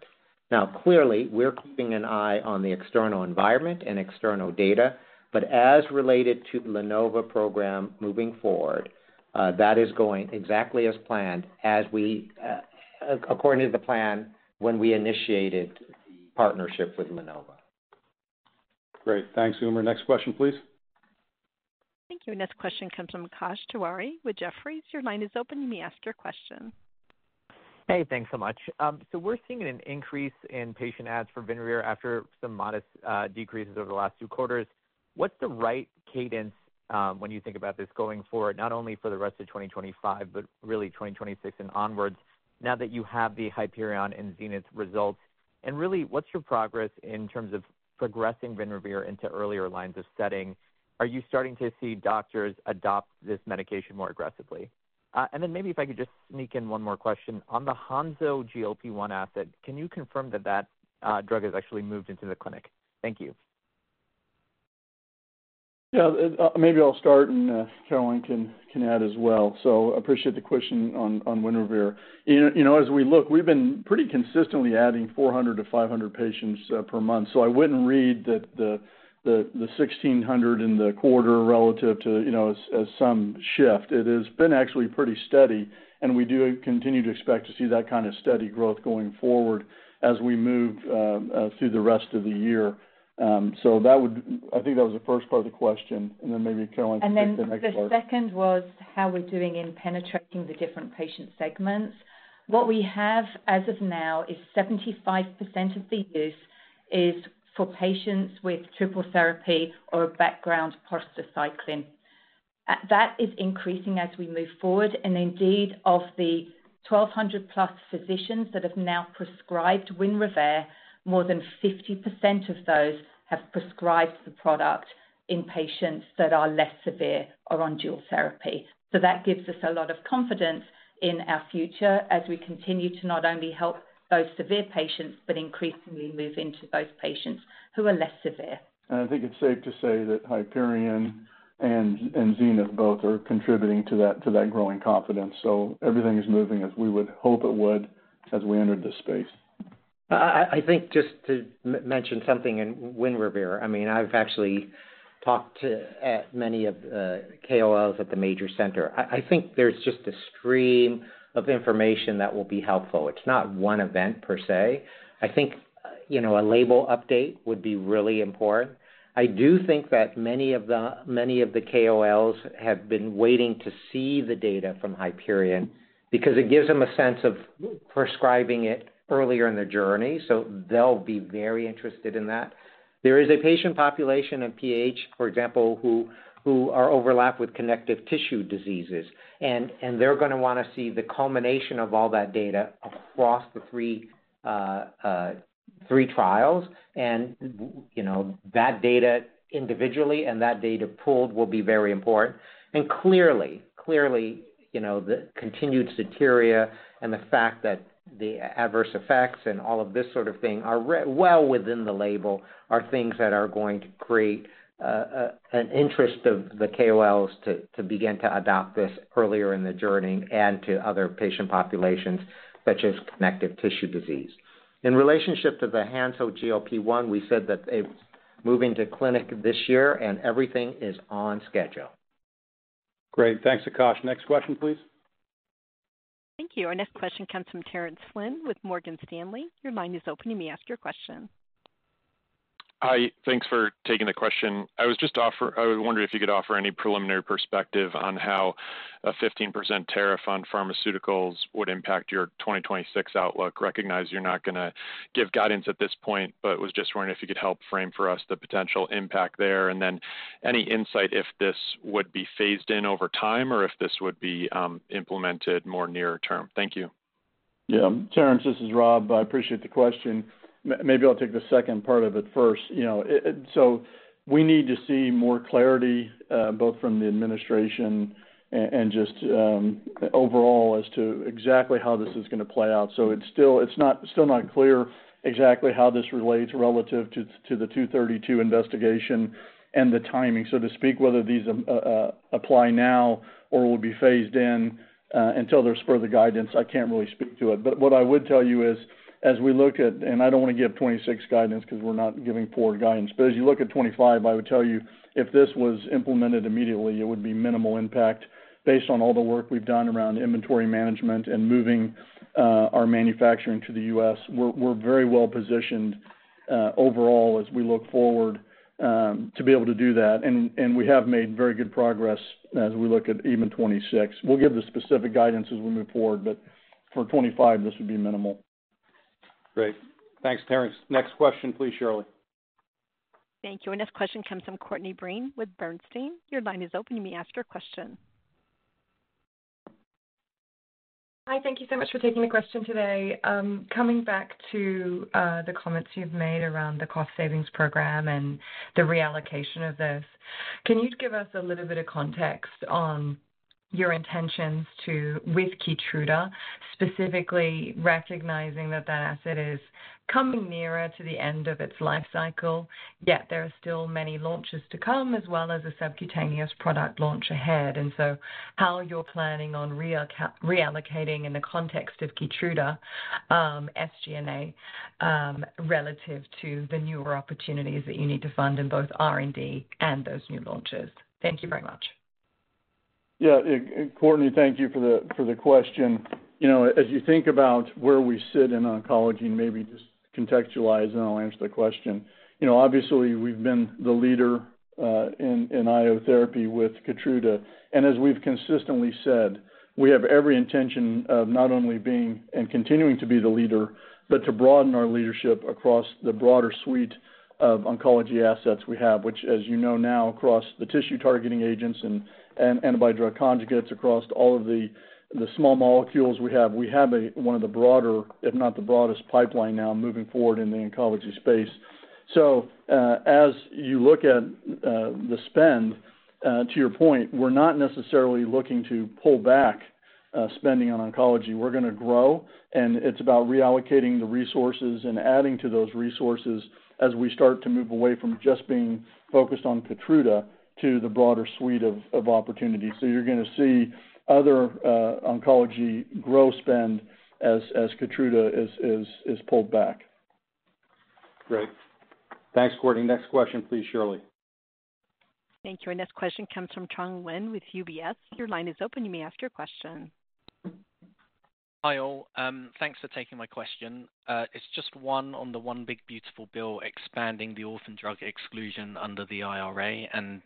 Now, clearly, we're keeping an eye on the external environment and external data. As related to the LaNova program moving forward, that is going exactly as planned as we, according to the plan, when we initiated partnership with LaNova. Great. Thanks, Umer. Next question, please. Thank you. Our next question comes from Akash Tewari with Jefferies. Your line is open. You may ask your question. Hey, thanks so much. We're seeing an increase in patient ads for WINREVAIR after some modest decreases over the last two quarters. What's the right cadence when you think about this going forward, not only for the rest of 2025, but really 2026 and onwards, now that you have the HYPERION and ZENITH results? What's your progress in terms of progressing WINREVAIR into earlier lines of studying? Are you starting to see doctors adopt this medication more aggressively? Maybe if I could just sneak in one more question. On the Hanzo-GLP-1 asset, can you confirm that that drug has actually moved into the clinic? Thank you. Yeah, maybe I'll start, and Caroline can add as well. I appreciate the question on WINREVAIR. As we look, we've been pretty consistently adding 400-500 patients per month. I wouldn't read the 1,600 in the quarter relative to some shift. It has been actually pretty steady. We do continue to expect to see that kind of steady growth going forward as we move through the rest of the year. I think that was the first part of the question. Maybe Caroline can step back up. The second was how we're doing in penetrating the different patient segments. What we have as of now is 75% of the use is for patients with triple therapy or a background prostacyclin. That is increasing as we move forward. Indeed, of the 1,200+ physicians that have now prescribed WINREVAIR, more than 50% of those have prescribed the product in patients that are less severe or on dual therapy. That gives us a lot of confidence in our future as we continue to not only help those severe patients, but increasingly move into those patients who are less severe. I think it's safe to say that HYPERION and ZENITH both are contributing to that growing confidence. Everything is moving as we would hope it would as we entered this space. I think just to mention something in WINREVAIR, I've actually talked to many of the KOLs at the major center. I think there's just a stream of information that will be helpful. It's not one event per se. I think a label update would be really important. I do think that many of the KOLs have been waiting to see the data from HYPERION because it gives them a sense of prescribing it earlier in their journey. They'll be very interested in that. There is a patient population of PAH, for example, who are overlapped with connective tissue diseases. They're going to want to see the culmination of all that data across the three trials. That data individually and that data pooled will be very important. Clearly, the continued satiria and the fact that the adverse effects and all of this sort of thing are well within the label are things that are going to create an interest of the KOLs to begin to adopt this earlier in the journey and to other patient populations, such as connective tissue disease. In relationship to the Hanzo-GLP-1, we said that they're moving to clinic this year, and everything is on schedule. Great. Thanks, Akash. Next question, please. Thank you. Our next question comes from Terence Flynn with Morgan Stanley. Your line is open. You may ask your question. Hi. Thanks for taking the question. I was just wondering if you could offer any preliminary perspective on how a 15% tariff on pharmaceuticals would impact your 2026 outlook. I recognize you're not going to give guidance at this point, but was just wondering if you could help frame for us the potential impact there. Any insight if this would be phased in over time or if this would be implemented more near-term? Thank you. Yeah, Terrence, this is Rob. I appreciate the question. Maybe I'll take the second part of it first. We need to see more clarity both from the administration and just overall as to exactly how this is going to play out. It's still not clear exactly how this relates relative to the 232 investigation and the timing, so to speak, whether these apply now or will be phased in until there's further guidance. I can't really speak to it. What I would tell you is, as we look at, and I don't want to give 2026 guidance because we're not giving forward guidance. As you look at 2025, I would tell you if this was implemented immediately, it would be minimal impact based on all the work we've done around inventory management and moving our manufacturing to the U.S. We're very well positioned overall as we look forward to be able to do that. We have made very good progress as we look at even 2026. We'll give the specific guidance as we move forward. For 2025, this would be minimal. Great. Thanks, Terrence. Next question, please, Shirley. Thank you. Our next question comes from Courtney Breen with Bernstein. Your line is open. You may ask your question. Hi. Thank you so much for taking the question today. Coming back to the comments you've made around the cost savings program and the reallocation of this, can you give us a little bit of context on your intentions with KEYTRUDA, specifically recognizing that that asset is coming nearer to the end of its life cycle, yet there are still many launches to come, as well as a subcutaneous product launch ahead? How you're planning on reallocating in the context of KEYTRUDA SG&A relative to the newer opportunities that you need to fund in both R&D and those new launches. Thank you very much. Yeah, Courtney, thank you for the question. As you think about where we sit in oncology, and maybe just contextualize, I'll answer the question. Obviously, we've been the leader in IO therapy with KEYTRUDA. As we've consistently said, we have every intention of not only being and continuing to be the leader, but to broaden our leadership across the broader suite of oncology assets we have, which, as you know, now across the tissue targeting agents and antibody-drug conjugates, across all of the small molecules we have, we have one of the broader, if not the broadest, pipeline now moving forward in the oncology space. As you look at the spend, to your point, we're not necessarily looking to pull back spending on oncology. We're going to grow, and it's about reallocating the resources and adding to those resources as we start to move away from just being focused on KEYTRUDA to the broader suite of opportunities. You're going to see other oncology growth spend as KEYTRUDA is pulled back. Great. Thanks, Courtney. Next question, please, Shirley. Thank you. Our next question comes from Chung Wen with UBS. Your line is open. You may ask your question. Hi, all. Thanks for taking my question. It's just one on the one big beautiful bill expanding the orphan drug exclusion under the IRA and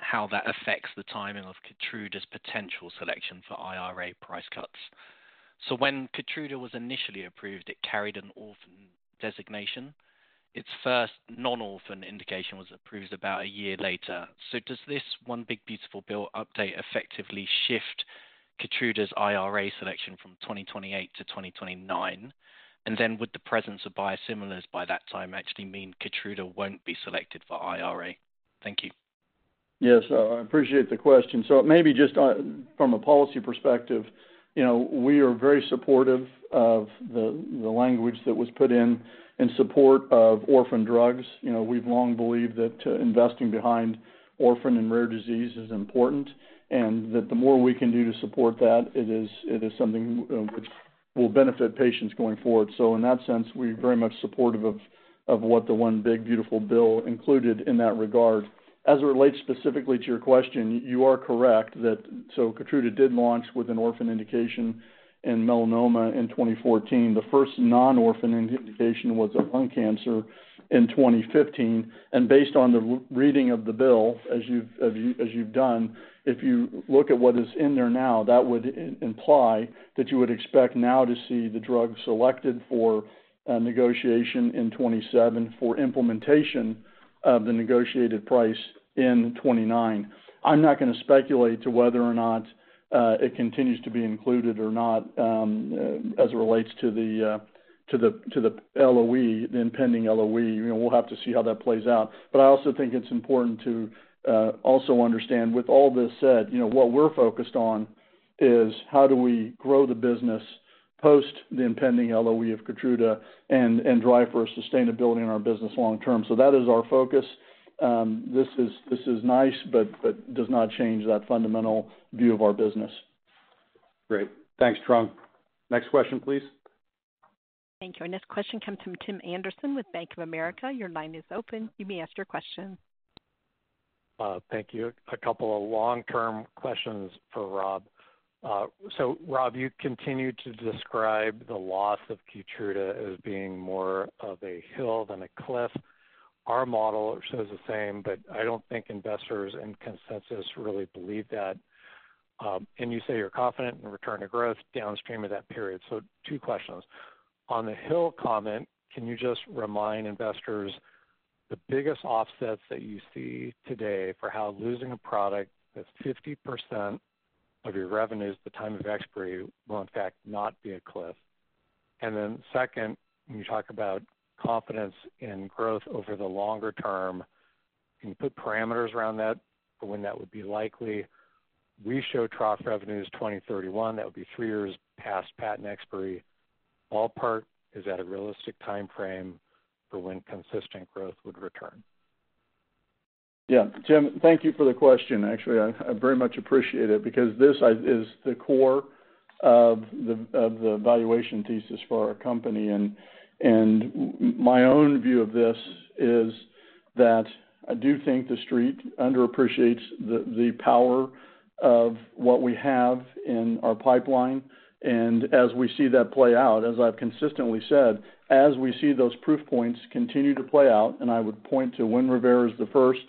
how that affects the timing of KEYTRUDA's potential selection for IRA price cuts. When KEYTRUDA was initially approved, it carried an orphan designation. Its first non-orphan indication was approved about a year later. Does this one big beautiful bill update effectively shift KEYTRUDA's IRA selection from 2028 to 2029? Would the presence of biosimilars by that time actually mean KEYTRUDA won't be selected for IRA? Thank you. Yeah, I appreciate the question. Maybe just from a policy perspective, we are very supportive of the language that was put in in support of orphan drugs. We've long believed that investing behind orphan and rare disease is important, and the more we can do to support that, it is something which will benefit patients going forward. In that sense, we're very much supportive of what the one big beautiful bill included in that regard. As it relates specifically to your question, you are correct that KEYTRUDA did launch with an orphan indication in melanoma in 2014. The first non-orphan indication was lung cancer in 2015. Based on the reading of the bill, as you've done, if you look at what is in there now, that would imply that you would expect now to see the drug selected for negotiation in 2027 for implementation of the negotiated price in 2029. I'm not going to speculate to whether or not it continues to be included or not as it relates to the loss of exclusivity, the impending loss of exclusivity. We'll have to see how that plays out. I also think it's important to understand, with all this said, what we're focused on is how do we grow the business post the impending loss of exclusivity of KEYTRUDA and drive for sustainability in our business long term. That is our focus. This is nice, but does not change that fundamental view of our business. Great. Thanks, Trunk. Next question, please. Thank you. Our next question comes from Tim Anderson with Bank of America. Your line is open. You may ask your question. Thank you. A couple of long-term questions for Rob. Rob, you continue to describe the loss of KEYTRUDA as being more of a hill than a cliff. Our model shows the same, but I don't think investors and consensus really believe that. You say you're confident in return to growth downstream of that period. Two questions. On the hill comment, can you just remind investors the biggest offsets that you see today for how losing a product that's 50% of your revenues at the time of expiry will, in fact, not be a cliff? Second, when you talk about confidence in growth over the longer term, can you put parameters around that for when that would be likely? We show trough revenues 2031. That would be three years past patent expiry. Ballpark, is that a realistic time frame for when consistent growth would return? Yeah, Jim, thank you for the question. Actually, I very much appreciate it because this is the core of the valuation thesis for our company. My own view of this is that I do think the street underappreciates the power of what we have in our pipeline. As we see that play out, as I've consistently said, as we see those proof points continue to play out, I would point to when WINREVAIR is the first,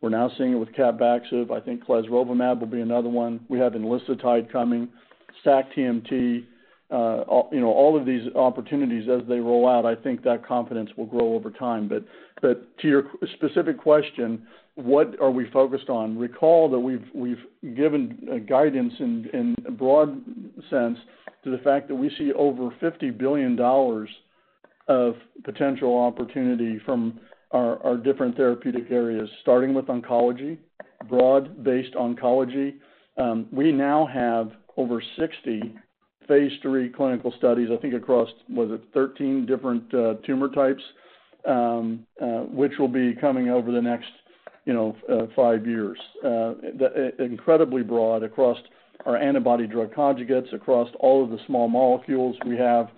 we're now seeing it with CAPVAXIVE. I think clesrovimab will be another one. We have enlicitide coming, sac-TMT. All of these opportunities, as they roll out, I think that confidence will grow over time. To your specific question, what are we focused on? Recall that we've given guidance in a broad sense to the fact that we see over $50 billion of potential opportunity from our different therapeutic areas, starting with oncology, broad-based oncology. We now have over 60 phase III clinical studies, I think, across, was it 13 different tumor types, which will be coming over the next five years. Incredibly broad across our antibody-drug conjugates, across all of the small molecules. We have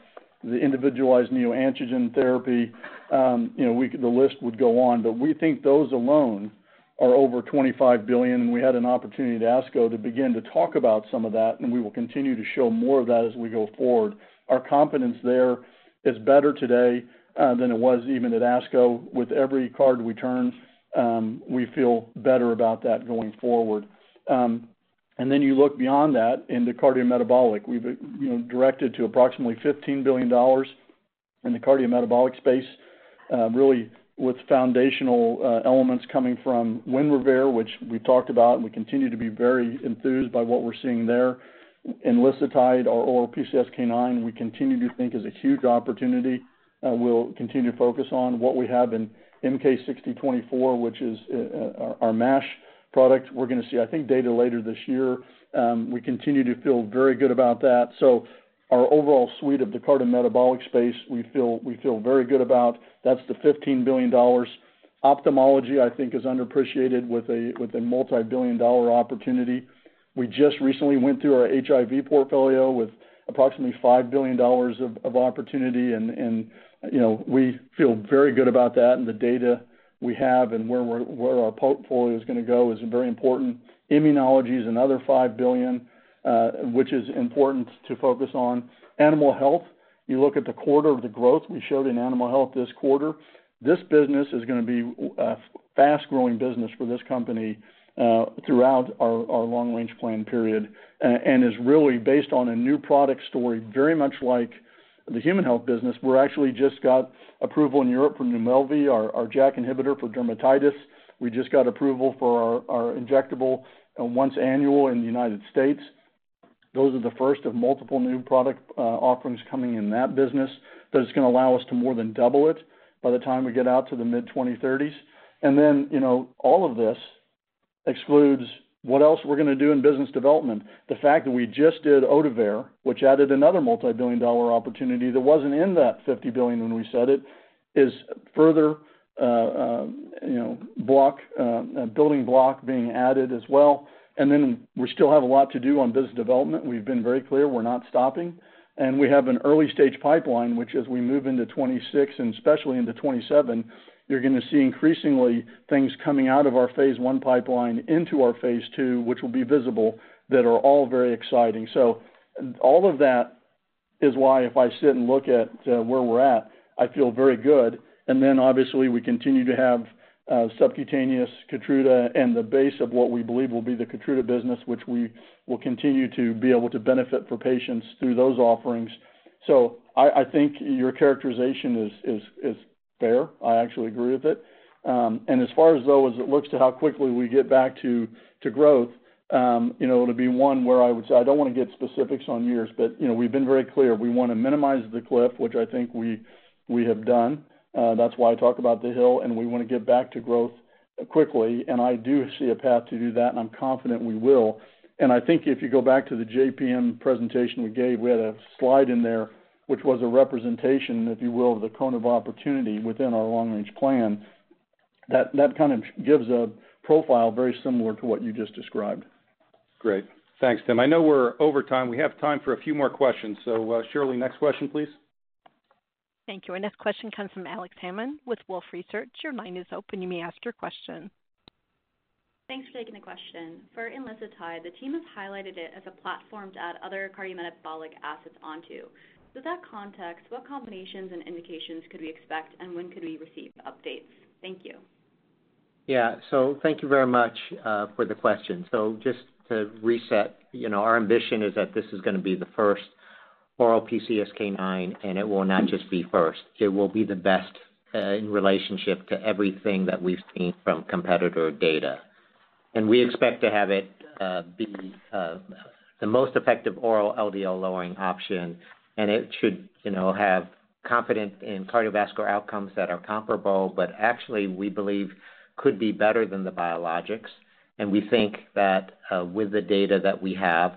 the individualized neoantigen therapy. The list would go on, but we think those alone are over $25 billion. We had an opportunity at ASCO to begin to talk about some of that, and we will continue to show more of that as we go forward. Our confidence there is better today than it was even at ASCO. With every card we turn, we feel better about that going forward. You look beyond that into cardiometabolic. We've directed to approximately $15 billion in the cardiometabolic space, really with. Foundational Elements coming from WINREVAIR, which we've talked about, and we continue to be very enthused by what we're seeing there. Enlicitide, our PCSK9 inhibitor, we continue to think is a huge opportunity. We'll continue to focus on what we have in MK-6024, which is our MASH product. We're going to see, I think, data later this year. We continue to feel very good about that. Our overall suite of the cardiometabolic space, we feel very good about. That's the $15 billion. Ophthalmology, I think, is underappreciated with a multi-billion dollar opportunity. We just recently went through our HIV portfolio with approximately $5 billion of opportunity, and you know we feel very good about that. The data we have and where our portfolio is going to go is very important. Immunology is another $5 billion, which is important to focus on. Animal Health, you look at the quarter of the growth we showed in Animal Health this quarter. This business is going to be a fast-growing business for this company throughout our long-range plan period, and is really based on a new product story, very much like the Human Health business. We actually just got approval in Europe for NUMELVI, our JAK inhibitor for dermatitis. We just got approval for our injectable, once-annual in the United States. Those are the first of multiple new product offerings coming in that business that's going to allow us to more than double it by the time we get out to the mid-2030s. All of this excludes what else we're going to do in business development. The fact that we just did Ohtuvayre, which added another multi-billion dollar opportunity that wasn't in that $50 billion when we said it, is a building block being added as well. We still have a lot to do on business development. We've been very clear we're not stopping. We have an early-stage pipeline, which as we move into 2026 and especially into 2027, you're going to see increasingly things coming out of our phase I pipeline into our phase II, which will be visible, that are all very exciting. All of that is why, if I sit and look at where we're at, I feel very good. Obviously, we continue to have subcutaneous KEYTRUDA, and the base of what we believe will be the KEYTRUDA business, which we will continue to be able to benefit for patients through those offerings. I think your characterization is fair. I actually agree with it. As far as it looks to how quickly we get back to growth, it will be one where I would say I don't want to get specifics on years, but we've been very clear we want to minimize the clip, which I think we have done. That is why I talked about the hill, and we want to get back to growth quickly. I do see a path to do that, and I'm confident we will. I think if you go back to the JPM presentation we gave, we had a slide in there, which was a representation, if you will, of the cone of opportunity within our long-range plan. That kind of gives a profile very similar to what you just described. Great. Thanks, Tim. I know we're over time. We have time for a few more questions. Shirley, next question, please. Thank you. Our next question comes from Alex Hammond with Wolfe Research. Your line is open. You may ask your question. Thanks for taking the question. For enlicitide, the team has highlighted it as a platform to add other cardiometabolic assets onto. With that context, what combinations and indications could we expect, and when could we receive updates? Thank you. Yeah, thank you very much for the question. Just to reset, our ambition is that this is going to be the first oral PCSK9 inhibitor, and it will not just be first. It will be the best in relationship to everything that we've seen from competitor data. We expect to have it be the most effective oral LDL-lowering option. It should have confidence in cardiovascular outcomes that are comparable, but actually, we believe could be better than the biologics. We think that with the data that we have,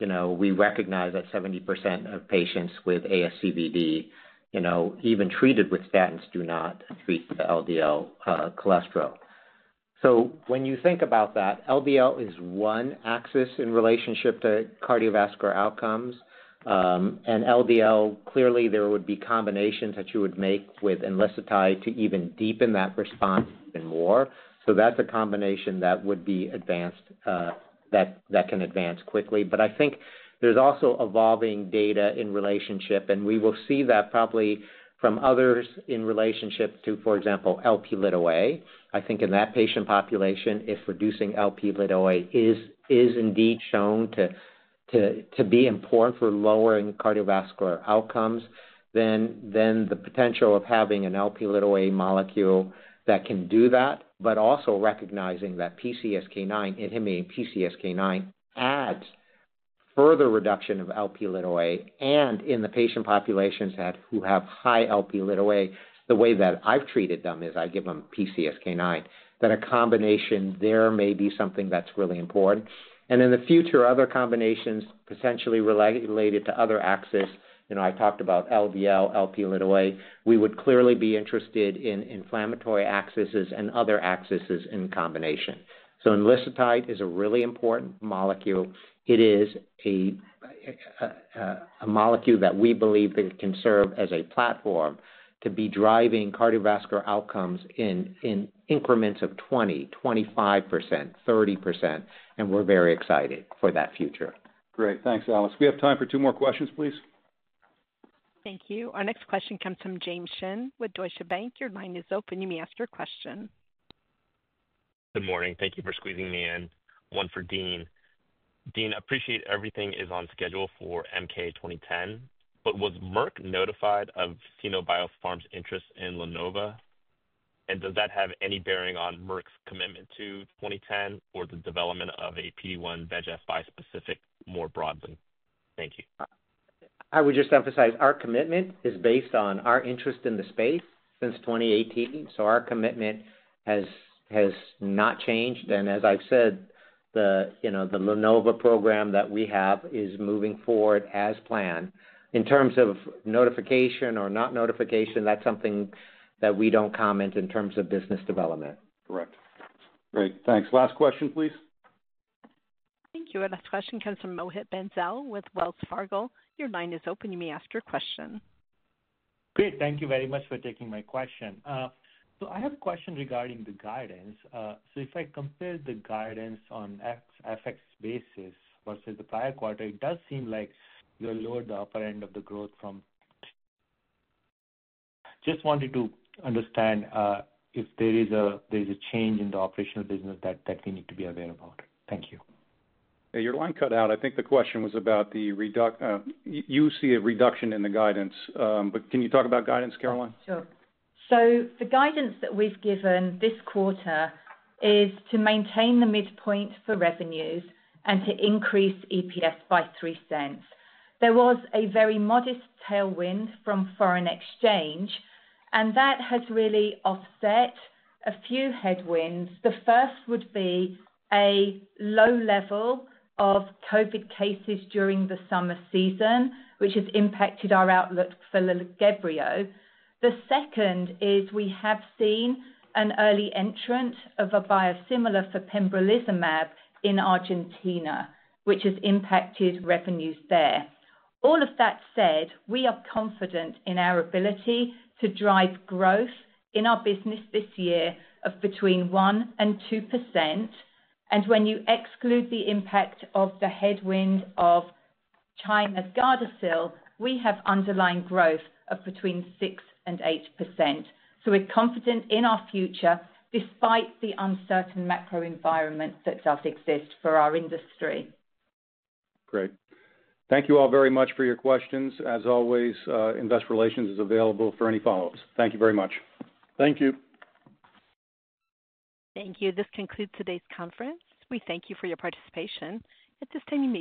we recognize that 70% of patients with ASCVD, even treated with statins, do not treat the LDL cholesterol. When you think about that, LDL is one axis in relationship to cardiovascular outcomes. LDL, clearly, there would be combinations that you would make with enlicitide to even deepen that response even more. That's a combination that can advance quickly. I think there's also evolving data in relationship, and we will see that probably from others in relationship to, for example, Lp(a). I think in that patient population, if reducing Lp(a) is indeed shown to be important for lowering cardiovascular outcomes, then the potential of having an Lp(a) molecule that can do that, but also recognizing that PCSK9, inhibiting PCSK9, adds further reduction of Lp(a). In the patient populations who have high Lp(a), the way that I've treated them is I give them PCSK9. A combination there may be something that's really important. In the future, other combinations potentially related to other axes, I talked about LDL, Lp(a), we would clearly be interested in inflammatory axes and other axes in combination. Enalcitide is a really important molecule. It is a molecule that we believe can serve as a platform to be driving cardiovascular outcomes in increments of 20%, 25%, 30%, and we're very excited for that future. Great. Thanks, Alex. We have time for two more questions, please. Thank you. Our next question comes from James Shin with Deutsche Bank. Your line is open. You may ask your question. Good morning. Thank you for squeezing me in. One for Dean. Dean, I appreciate everything is on schedule for MK-2010, but was Merck notified of [Cenobiopharm]'s interest in LaNova? Does that have any bearing on Merck's commitment to 2010 or the development of a PD-1 VEGF5 specific more broadly? Thank you. I would just emphasize our commitment is based on our interest in the space since 2018. Our commitment has not changed. As I've said, the program that we have is moving forward as planned. In terms of notification or not notification, that's something that we don't comment in terms of business development. Correct. Great. Thanks. Last question, please. Thank you. Our next question comes from Mohit Bansal with Wells Fargo. Your line is open. You may ask your question. Great. Thank you very much for taking my question. I have a question regarding the guidance. If I compare the guidance on an FX basis versus the prior quarter, it does seem like you lowered the upper end of the growth. Just wanted to understand if there is a change in the operational business that we need to be aware about. Thank you. Your line cut out. I think the question was about the reduction. You see a reduction in the guidance, but can you talk about guidance, Caroline? Sure. The guidance that we've given this quarter is to maintain the midpoint for revenues and to increase EPS by $0.03. There was a very modest tailwind from foreign exchange, and that has really offset a few headwinds. The first would be a low level of COVID cases during the summer season, which has impacted our outlook for Librio. The second is we have seen an early entrant of a biosimilar for pembrolizumab in Argentina, which has impacted revenues there. All of that said, we are confident in our ability to drive growth in our business this year of between 1% and 2%. When you exclude the impact of the headwin d of China's GARDASIL, we have underlying growth of between 6% and 8%. We are confident in our future despite the uncertain macro environment that does exist for our industry. Great. Thank you all very much for your questions. As always, Investor Relations is available for any follow-ups. Thank you very much. Thank you. Thank you. This concludes today's conference. We thank you for your participation. At this time, you may.